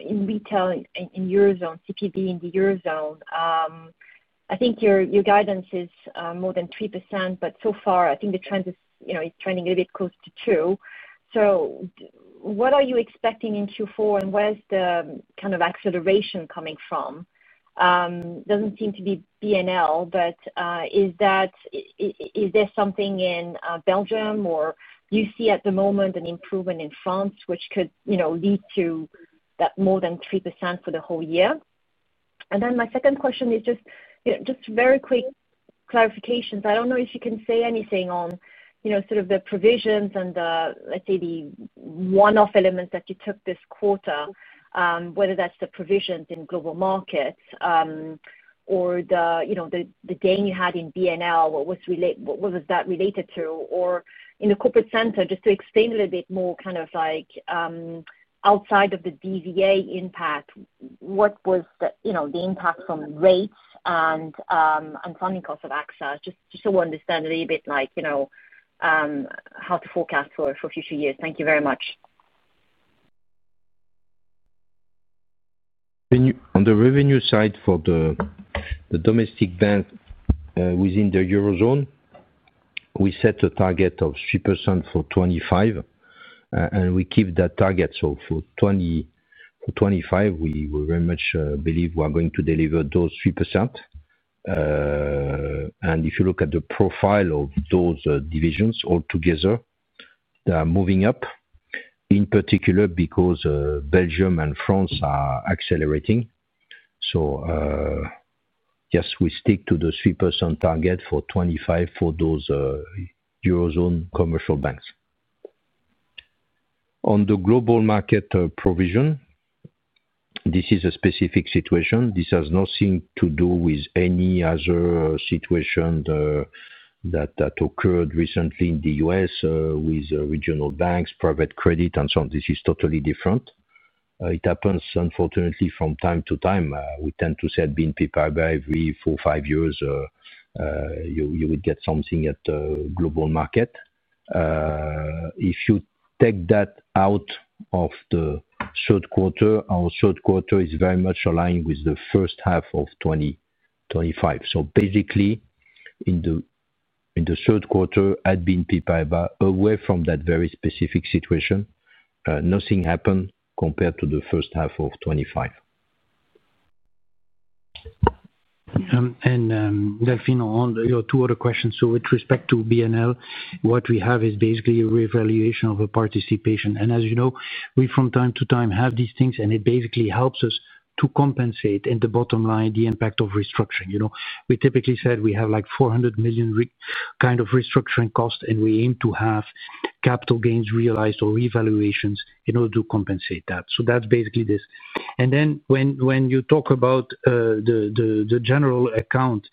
in retail in the Eurozone, CPB in the Eurozone, I think your guidance is more than 3%, but so far, I think the trend is trending a little bit close to 2%. What are you expecting in Q4? Where's the kind of acceleration coming from? It doesn't seem to be BNL, but is there something in Belgium or do you see at the moment an improvement in France, which could, you know, lead to that more than 3% for the whole year? My second question is just very quick clarifications. I don't know if you can say anything on, you know, sort of the provisions and the, let's say, the one-off elements that you took this quarter, whether that's the provisions in Global Markets or the, you know, the ding you had in BNL, what was that related to? Or in the Corporate Center, just to explain a little bit more, kind of like, outside of the DVA impact, what was the, you know, the impact from rates and funding costs of AXA? Just so we understand a little bit like, you know, how to forecast for future years. Thank you very much. On the revenue side for the domestic bank, within the Eurozone, we set a target of 3% for 2025, and we keep that target. For 2025, we very much believe we're going to deliver those 3%. If you look at the profile of those divisions altogether, they're moving up, in particular because Belgium and France are accelerating. Yes, we stick to the 3% target for 2025 for those Eurozone commercial banks. On the Global Markets provision, this is a specific situation. This has nothing to do with any other situation that occurred recently in the U.S. with regional banks, private credit, and so on. This is totally different. It happens, unfortunately, from time to time. We tend to say at BNP Paribas, every four or five years, you would get something at Global Markets. If you take that out of the third quarter, our third quarter is very much aligned with the first half of 2025. Basically, in the third quarter at BNP Paribas, away from that very specific situation, nothing happened compared to the first half of 2025. Delphine, your two other questions. With respect to BNL, what we have is basically a reevaluation of a participation. As you know, we from time to time have these things, and it basically helps us to compensate in the bottom line, the impact of restructuring. We typically said we have like 400 million kind of restructuring costs, and we aim to have capital gains realized or reevaluations in order to compensate that. That is basically this. When you talk about the general account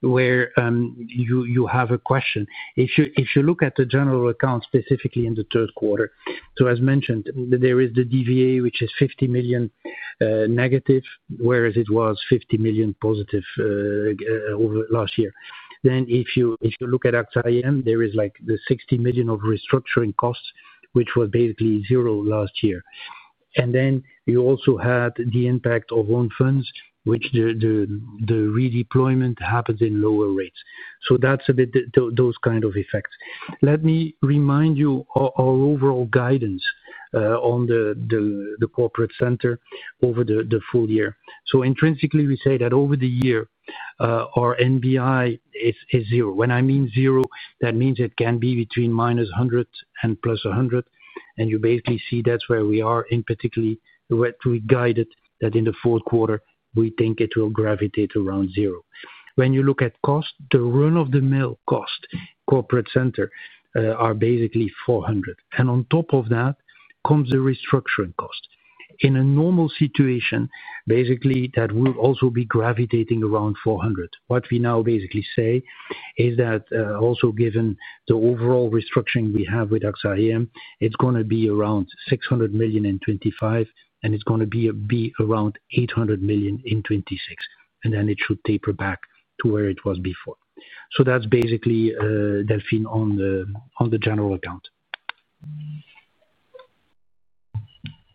where you have a question, if you look at the general account specifically in the third quarter, as mentioned, there is the DVA, which is 50 million negative, whereas it was 50 million positive over last year. If you look at AXA IM, there is the 60 million of restructuring costs, which was basically zero last year. You also had the impact of own funds, which the re-deployment happens in lower rates. That is a bit those kind of effects. Let me remind you of our overall guidance on the Corporate Center over the full year. Intrinsically, we say that over the year, our NBI is zero. When I mean zero, that means it can be between -100 million and +100 million. You basically see that is where we are, in particularly what we guided that in the fourth quarter, we think it will gravitate around zero. When you look at cost, the run-of-the-mill cost Corporate Center are basically 400 million. On top of that comes the restructuring cost. In a normal situation, that will also be gravitating around 400 million. What we now basically say is that also given the overall restructuring we have with AXA IM, it is going to be around EUR 600 million in 2025, and it is going to be around 800 million in 2026. Then it should taper back to where it was before. That is basically, Delphine, on the general account.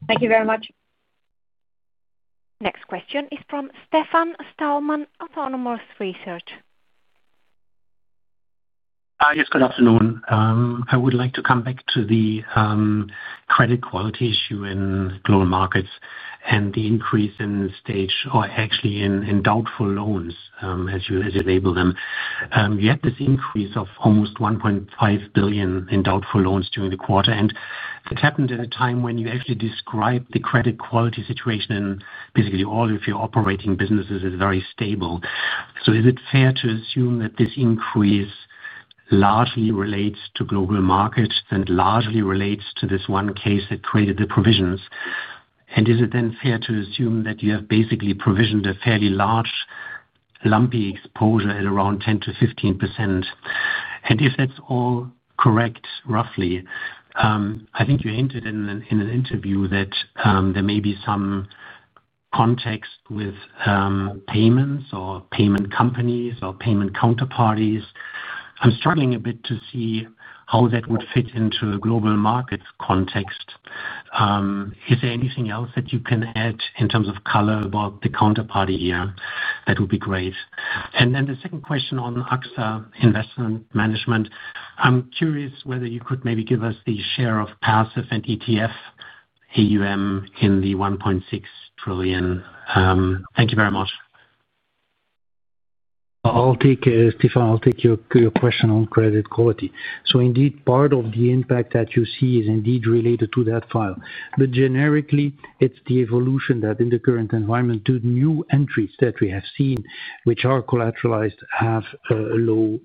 Thank you very much. Next question is from Stefan Stalmann, Autonomous Research. Hi, yes, good afternoon. I would like to come back to the credit quality issue in Global Markets and the increase in stage, or actually in doubtful loans, as you label them. You had this increase of almost 1.5 billion in doubtful loans during the quarter. That happened at a time when you actually described the credit quality situation in basically all of your operating businesses as very stable. Is it fair to assume that this increase largely relates to Global Markets and largely relates to this one case that created the provisions? Is it then fair to assume that you have basically provisioned a fairly large, lumpy exposure at around 10 to 15%? If that's all correct, roughly, I think you hinted in an interview that there may be some context with payments or payment companies or payment counterparties. I'm struggling a bit to see how that would fit into a Global Markets context. Is there anything else that you can add in terms of color about the counterparty here? That would be great. The second question on AXA Investment Management. I'm curious whether you could maybe give us the share of passive and ETF AUM in the 1.6 trillion. Thank you very much. I'll take Stefan, I'll take your question on credit quality. Indeed, part of the impact that you see is related to that file. Generically, it's the evolution that in the current environment, the new entries that we have seen, which are collateralized, have a low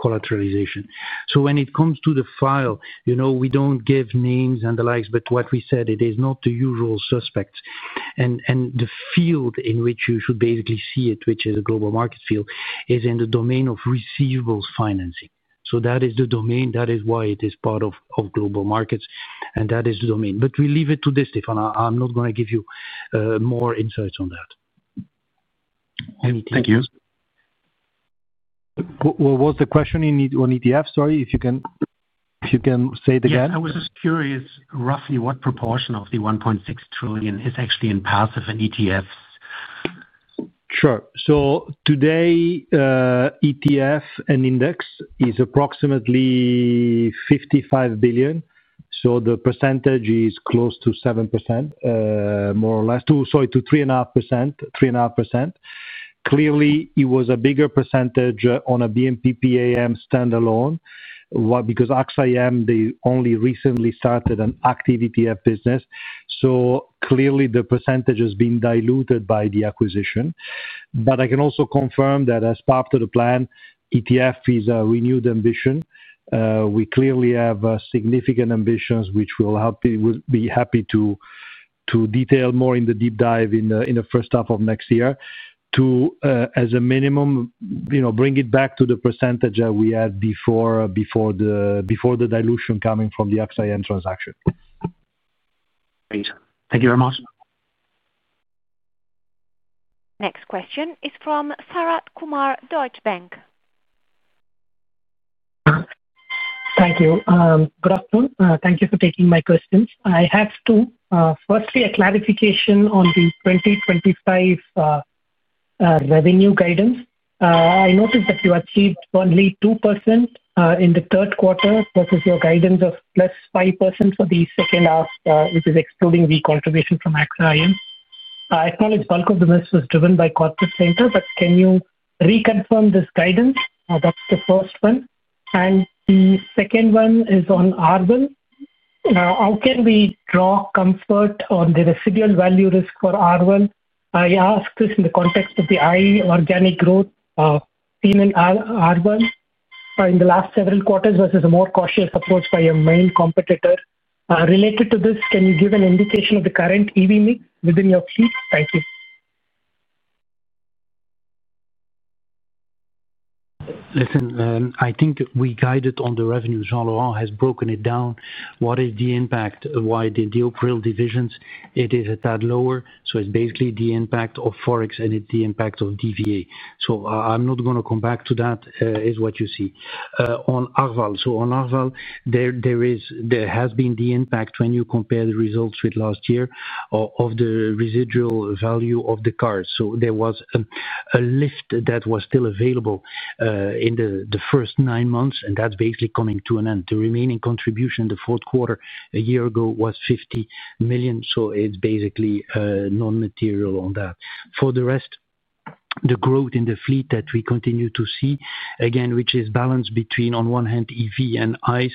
collateralization. When it comes to the file, you know we don't give names and the likes, but what we said, it is not the usual suspects. The field in which you should basically see it, which is a global market field, is in the domain of receivables financing. That is the domain. That is why it is part of Global Markets. That is the domain. We leave it to this, Stefan. I'm not going to give you more insights on that. Thank you. What was the question in ETF? Sorry, if you can say it again. I was just curious, roughly what proportion of the $1.6 trillion is actually in passive and ETFs? Sure. Today, ETF and index is approximately 55 billion. The percentage is close to 7%, more or less, to, sorry, to 3.5%. Clearly, it was a bigger percentage on a BNP PAM standalone. Why? Because AXA IM, they only recently started an active ETF business. Clearly, the percentage has been diluted by the acquisition. I can also confirm that as part of the plan, ETF is a renewed ambition. We clearly have significant ambitions, which we'll be happy to detail more in the deep dive in the first half of next year, to, as a minimum, bring it back to the percentage that we had before the dilution coming from the AXA IM transaction. Great, thank you very much. Next question is from Sharath Kumar, Deutsche Bank. Thank you. Good afternoon. Thank you for taking my questions. I have two. Firstly, a clarification on the 2025 revenue guidance. I noticed that you achieved only 2% in the third quarter versus your guidance of +5% for the second half, which is excluding the contribution from AXA IM. I acknowledge the bulk of the risk was driven by Corporate Center, but can you reconfirm this guidance? That's the first one. The second one is on Arwen. How can we draw comfort on the residual value risk for Arwen? I ask this in the context of the high organic growth seen in Arwen in the last several quarters versus a more cautious approach by your main competitor. Related to this, can you give an indication of the current EV mix within your fleet? Thank you. Listen, I think we guided on the revenue. Jean-Laurent has broken it down. What is the impact? Why the deal-prill divisions? It is a tad lower. It is basically the impact of forex and the impact of DVA. I'm not going to come back to that; it is what you see. On Arval, there has been the impact when you compare the results with last year of the residual value of the cars. There was a lift that was still available in the first nine months, and that's basically coming to an end. The remaining contribution in the fourth quarter a year ago was 50 million. It is basically non-material on that. For the rest, the growth in the fleet that we continue to see, again, which is balanced between, on one hand, EV and ICE.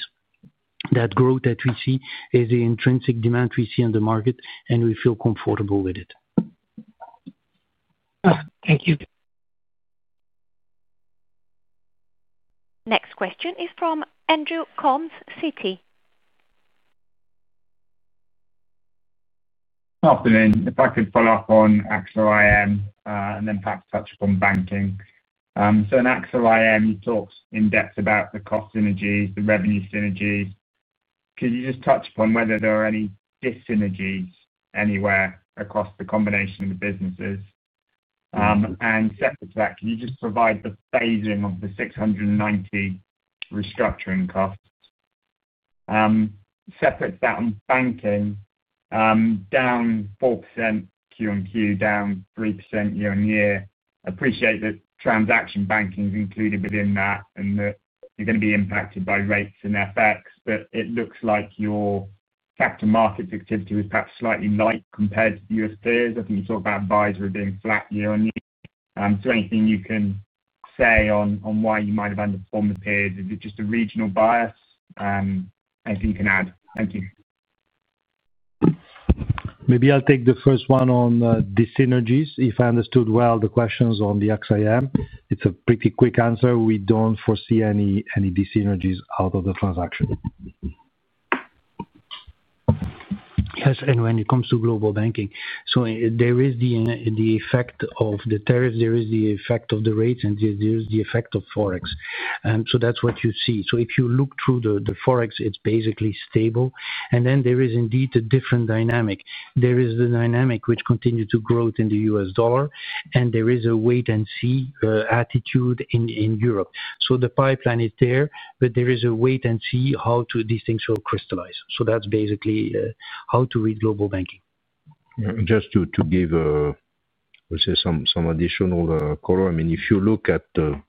That growth that we see is the intrinsic demand we see in the market, and we feel comfortable with it. Thank you. Next question is from Andrew Coombs, Citi. Afternoon. If I could follow-up on AXA IM and then perhaps touch upon banking. In AXA IM, you talked in depth about the cost synergies, the revenue synergies. Could you just touch upon whether there are any dis-synergies anywhere across the combination of the businesses? Separate to that, can you just provide the phasing of the 690 million restructuring costs? Separate to that on banking, down 4% Q-on-Q, down 3% year-on-year. i appreciate that transaction banking is included within that and that you're going to be impacted by rates and FX, but it looks like your capital markets activity was perhaps slightly light compared to the U.S. peers. I think you talk about advisory being flat year-on-year. is there anything you can say on why you might have underperformed the peers? Is it just a regional bias? Anything you can add? Thank you. Maybe I'll take the first one on dis-synergies. If I understood well, the question is on AXA IM. It's a pretty quick answer. We don't foresee any dis-synergies out of the transaction. Yes, and when it comes to Global Banking, there is the effect of the tariffs, there is the effect of the rates, and there is the effect of forex. That's what you see. If you look through the forex, it's basically stable. Then there is indeed a different dynamic. There is the dynamic which continues to grow in the U.S. dollar, and there is a wait-and-see attitude in Europe. The pipeline is there, but there is a wait-and-see how these things will crystallize. That's basically how to read Global Banking. Just to give, I would say, some additional color, I mean, if you look at the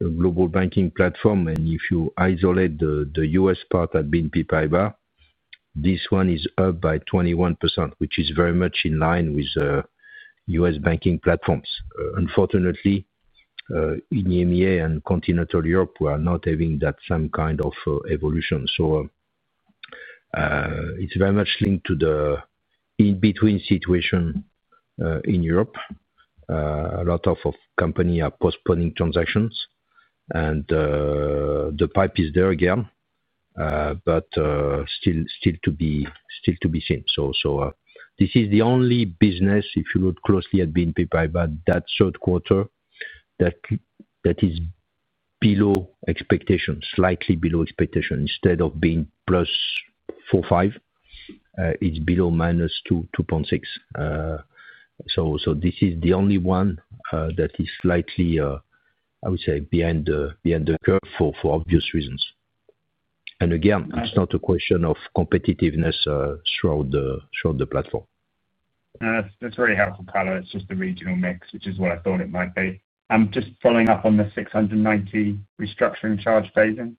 Global Banking platform and if you isolate the U.S. part at BNP Paribas, this one is up by 21%, which is very much in line with U.S. banking platforms. Unfortunately, in EMEA and continental Europe were not having that same kind of evolution. It is very much linked to the in-between situation in Europe. A lot of companies are postponing transactions, and the pipe is there again, but still to be seen. This is the only business, if you look closely at BNP Paribas, that third quarter that is below expectation, slightly below expectation. Instead of being +4.5%, it's below -2.6%. This is the only one that is slightly, I would say, behind the curve for obvious reasons. Again, it's not a question of competitiveness throughout the platform. That's very helpful, Color. It's just the regional mix, which is what I thought it might be. I'm just following up on the 690 million restructuring charge phasing.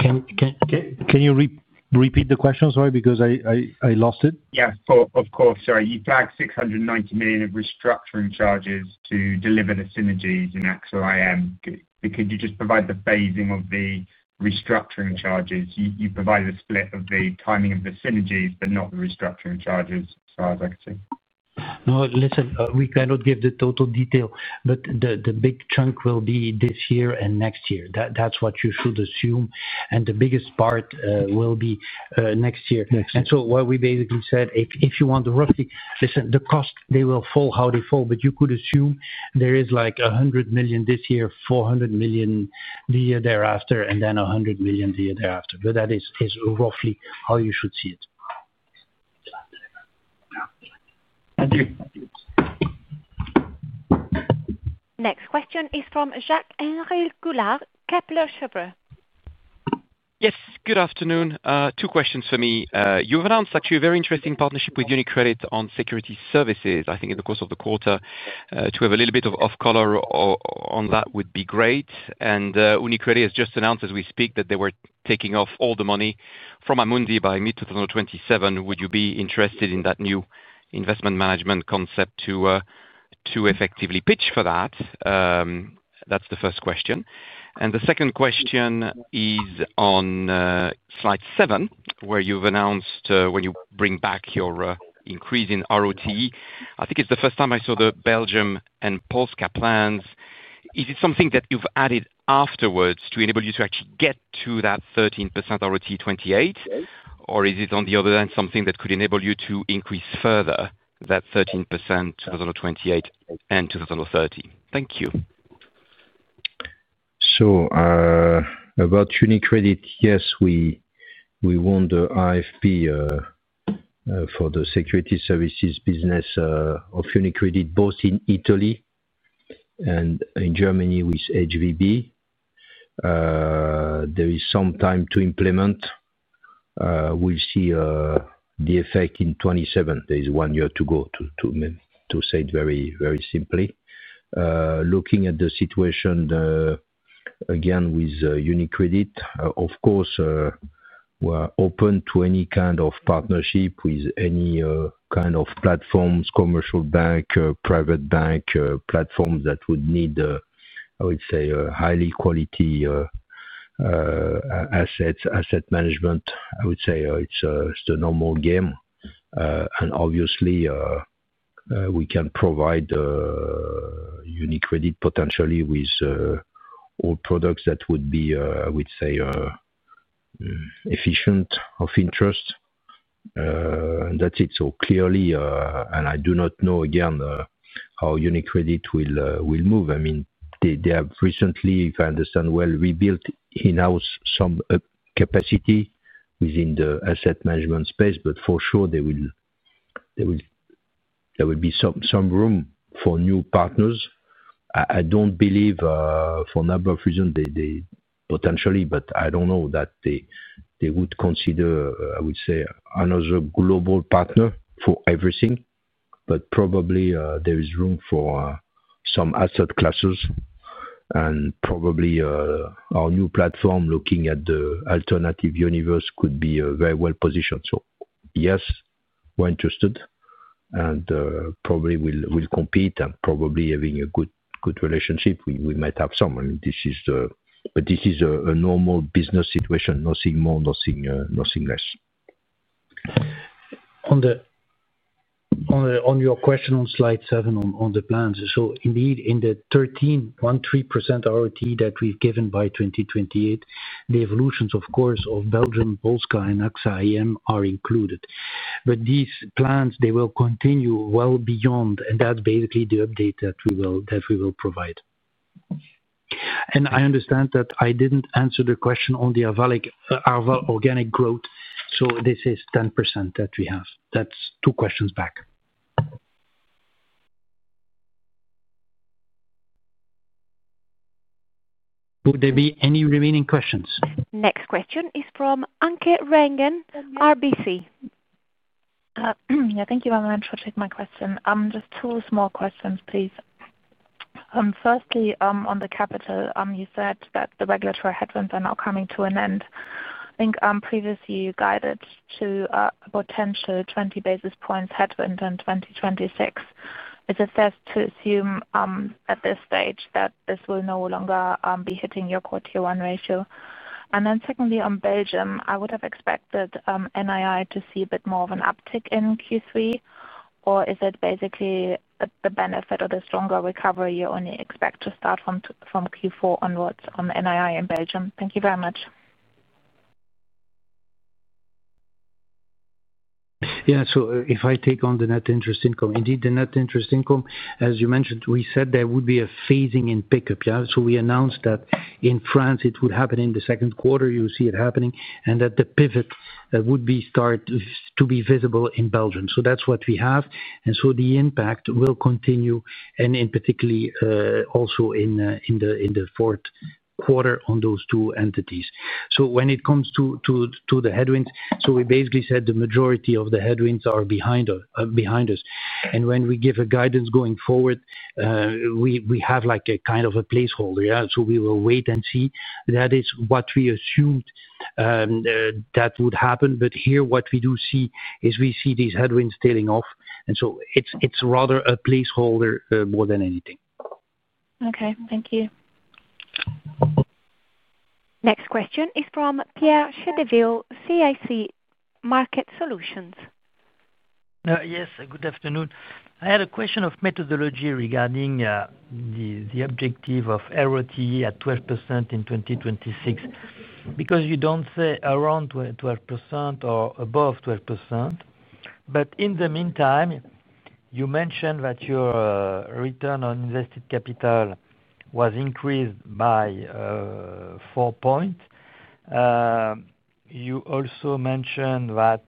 Can you repeat the question? Sorry, because I lost it. Yeah, of course. Sorry. You flagged 690 million of restructuring charges to deliver the synergies in AXA IM. Could you just provide the phasing of the restructuring charges? You provide the split of the timing of the synergies, but not the restructuring charges, as far as I can see. No, listen, we cannot give the total detail, but the big chunk will be this year and next year. That's what you should assume. The biggest part will be next year. What we basically said, if you want to roughly, the cost, they will fall how they fall, but you could assume there is like 100 million this year, 400 million the year thereafter, and then 100 million the year thereafter. That is roughly how you should see it. Thank you. Next question is from Jacques-Henri Gaulard, Kepler Cheuvreux. Yes, good afternoon. Two questions for me. You've announced actually a very interesting partnership with UniCredit on Securities Services, I think, in the course of the quarter. To have a little bit of color on that would be great. UniCredit has just announced as we speak that they were taking off all the money from Amundi by mid-2027. Would you be interested in that new investment management concept to effectively pitch for that? That's the first question. The second question is on slide seven, where you've announced when you bring back your increase in ROTE. I think it's the first time I saw the Belgium and Polska plans. Is it something that you've added afterwards to enable you to actually get to that 13% ROTE 2028? Or is it, on the other hand, something that could enable you to increase further that 13% 2028 and 2030? Thank you. Regarding UniCredit, yes, we won the IFP for the Securities Services business of UniCredit, both in Italy and in Germany. It is [HVB]. There is some time to implement. We'll see the effect in 2027. There is one year to go, to say it very, very simply. Looking at the situation again with UniCredit, of course, we're open to any kind of partnership with any kind of platforms, commercial bank, private bank platforms that would need, I would say, highly quality assets, asset management. I would say it's the normal game. Obviously, we can provide UniCredit potentially with all products that would be, I would say, efficient of interest. That's it. Clearly, I do not know again how UniCredit will move. I mean, they have recently, if I understand well, rebuilt in-house some capacity within the asset management space, but for sure, there will be some room for new partners. I don't believe for a number of reasons they potentially, but I don't know that they would consider, I would say, another global partner for everything. There is room for some asset classes. Our new platform looking at the alternative universe could be very well positioned. Yes, we're interested. We'll compete. Having a good relationship, we might have some. This is a normal business situation. Nothing more, nothing less. On your question on slide seven, on the plans. Indeed, in the 13% ROTE that we've given by 2028, the evolutions, of course, of Belgium, Polska, and AXA IM are included. These plans will continue well beyond, and that's basically the update that we will provide. I understand that I didn't answer the question on the organic growth. This is 10% that we have. That's two questions back. Would there be any remaining questions? Next question is from Anke Reingen, RBC. Thank you, Arnaud. I'm sure I'll take my question. Just two small questions, please. Firstly, on the capital, you said that the regulatory headwinds are now coming to an end. I think, previously, you guided to a potential 20 basis points headwind in 2026. Is it best to assume, at this stage, that this will no longer be hitting your CET1 ratio? Secondly, on Belgium, I would have expected NII to see a bit more of an uptick in Q3. Is it basically the benefit of the stronger recovery you only expect to start from Q4 onwards on NII in Belgium? Thank you very much. Yeah. If I take on the net interest income, indeed, the net interest income, as you mentioned, we said there would be a phasing-in pickup. We announced that in France, it would happen in the second quarter. You'll see it happening, and the pivot would start to be visible in Belgium. That's what we have, and the impact will continue, particularly also in the fourth quarter on those two entities. When it comes to the headwinds, we basically said the majority of the headwinds are behind us. When we give a guidance going forward, we have like a kind of a placeholder. We will wait-and-see. That is what we assumed would happen. Here, what we do see is we see these headwinds tailing off. It's rather a placeholder, more than anything. Okay, thank you. Next question is from Pierre Chédeville, CIC Market Solutions. Yes. Good afternoon. I had a question of methodology regarding the objective of ROTE at 12% in 2026. Because you don't say around 12% or above 12%. In the meantime, you mentioned that your return on invested capital was increased by 4 points. You also mentioned that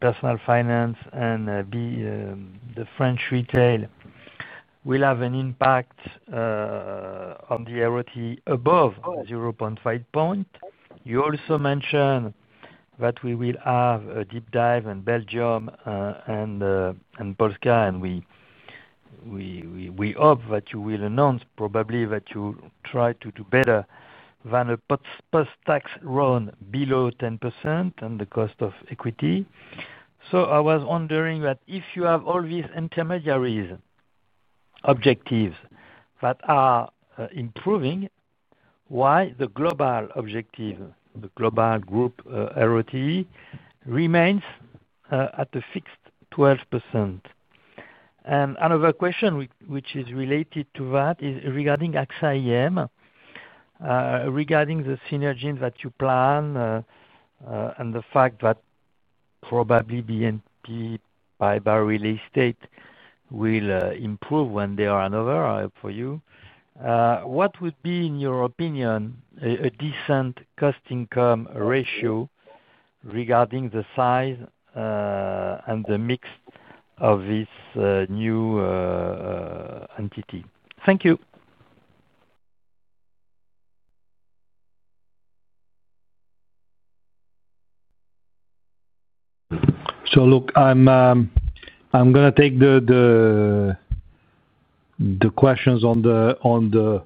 Personal Finance and the French retail will have an impact of the ROTE above 0.5 points. You also mentioned that we will have a deep dive in Belgium and Polska. We hope that you will announce probably that you try to do better than a post-tax run below 10% on the cost of equity. I was wondering if you have all these intermediary objectives that are improving, why the global objective, the global group ROTE remains at the fixed 12%. Another question, which is related to that, is regarding AXA IM, regarding the synergies that you plan, and the fact that probably BNP Paribas Real Estate will improve when they are on over for you. What would be, in your opinion, a decent cost-income ratio regarding the size and the mix of this new entity? Thank you. I'm going to take the questions on the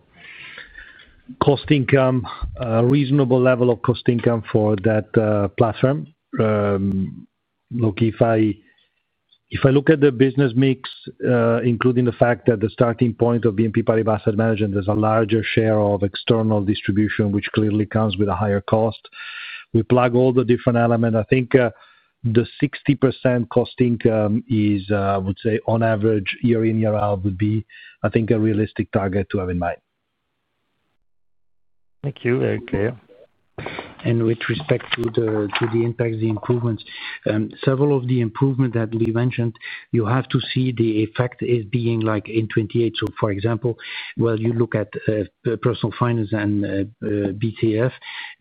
cost income, reasonable level of cost income for that platform. If I look at the business mix, including the fact that the starting point of BNP Paribas Asset Management is a larger share of external distribution, which clearly comes with a higher cost, we plug all the different elements. I think the 60% cost income is, I would say, on average, year in, year out, would be, I think, a realistic target to have in mind. Thank you. Okay. With respect to the impacts, the improvements, several of the improvements that we mentioned, you have to see the effect as being like in 2028. For example, you look at Personal Finance and BTF.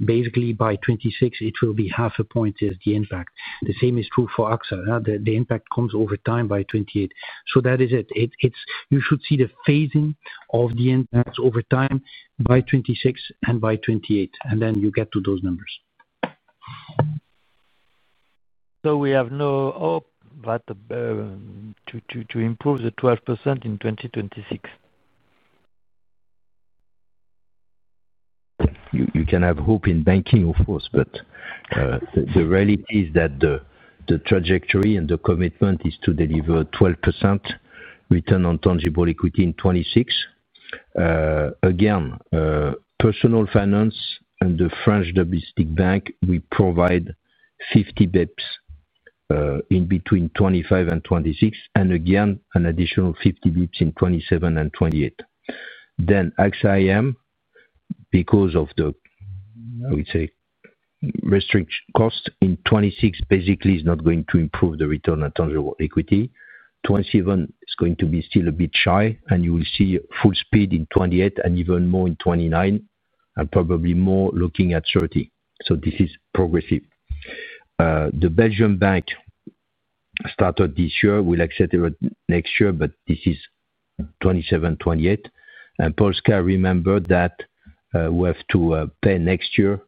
Basically, by 2026, it will be half a point as the impact. The same is true for AXA. The impact comes over time by 2028. You should see the phasing of the impacts over time by 2026 and by 2028, and then you get to those numbers. We have no hope but to improve the 12% in 2026? You can have hope in banking, of course. The reality is that the trajectory and the commitment is to deliver 12% return on tangible equity in 2026. Again, Personal Finance and the French Domestic Bank, we provide 50 bps in between 2025 and 2026, and again, an additional 50 bps in 2027 and 2028. AXA IM, because of the, I would say, restrict cost in 2026, basically, is not going to improve the return on tangible equity. 2027 is going to be still a bit shy. You will see full speed in 2028 and even more in 2029, and probably more looking at 2030. This is progressive. The Belgium bank started this year. We'll accelerate next year. This is 2027, 2028. Polska, remember that we have to pay next year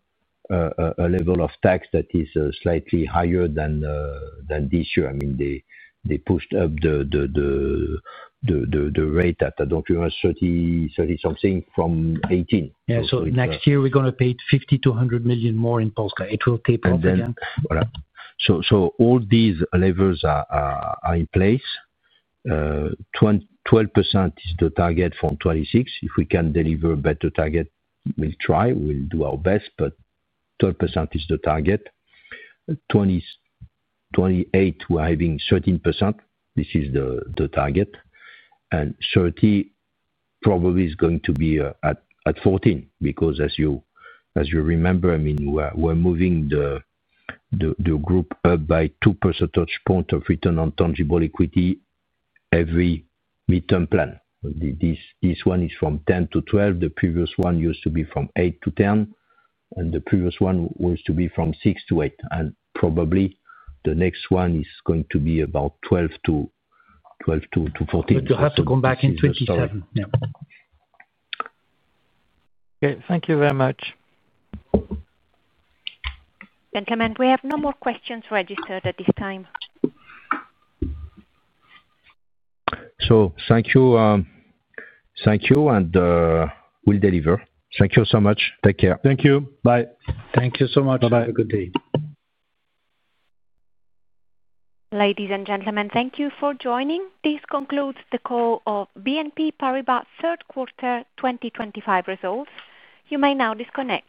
a level of tax that is slightly higher than this year. They pushed up the rate at, I don't remember, 30-something from 18. Yeah, next year, we're going to pay 50 million to 100 million more in Polska. It will taper off again. All right. All these levers are in place. 12% is the target for 2026. If we can deliver a better target, we'll try. We'll do our best. 12% is the target. 2028, we're having 13%. This is the target. 2030 probably is going to be at 14%. As you remember, we're moving the group up by 2% touchpoint of return on tangible equity every midterm plan. This one is from 10% to 12%. The previous one used to be from 8% to 10%. The previous one was from 6% to 8%. Probably, the next one is going to be about 12% to 14%. It will have to come back in 2027. Yeah. Okay, thank you very much. Gentlemen, we have no more questions registered at this time. Thank you, thank you. We'll deliver. Thank you so much. Take care. Thank you. Bye. Thank you so much. Bye-bye. Have a good day. Ladies and gentlemen, thank you for joining. This concludes the call of BNP Paribas Third Quarter 2025 Results. You may now disconnect.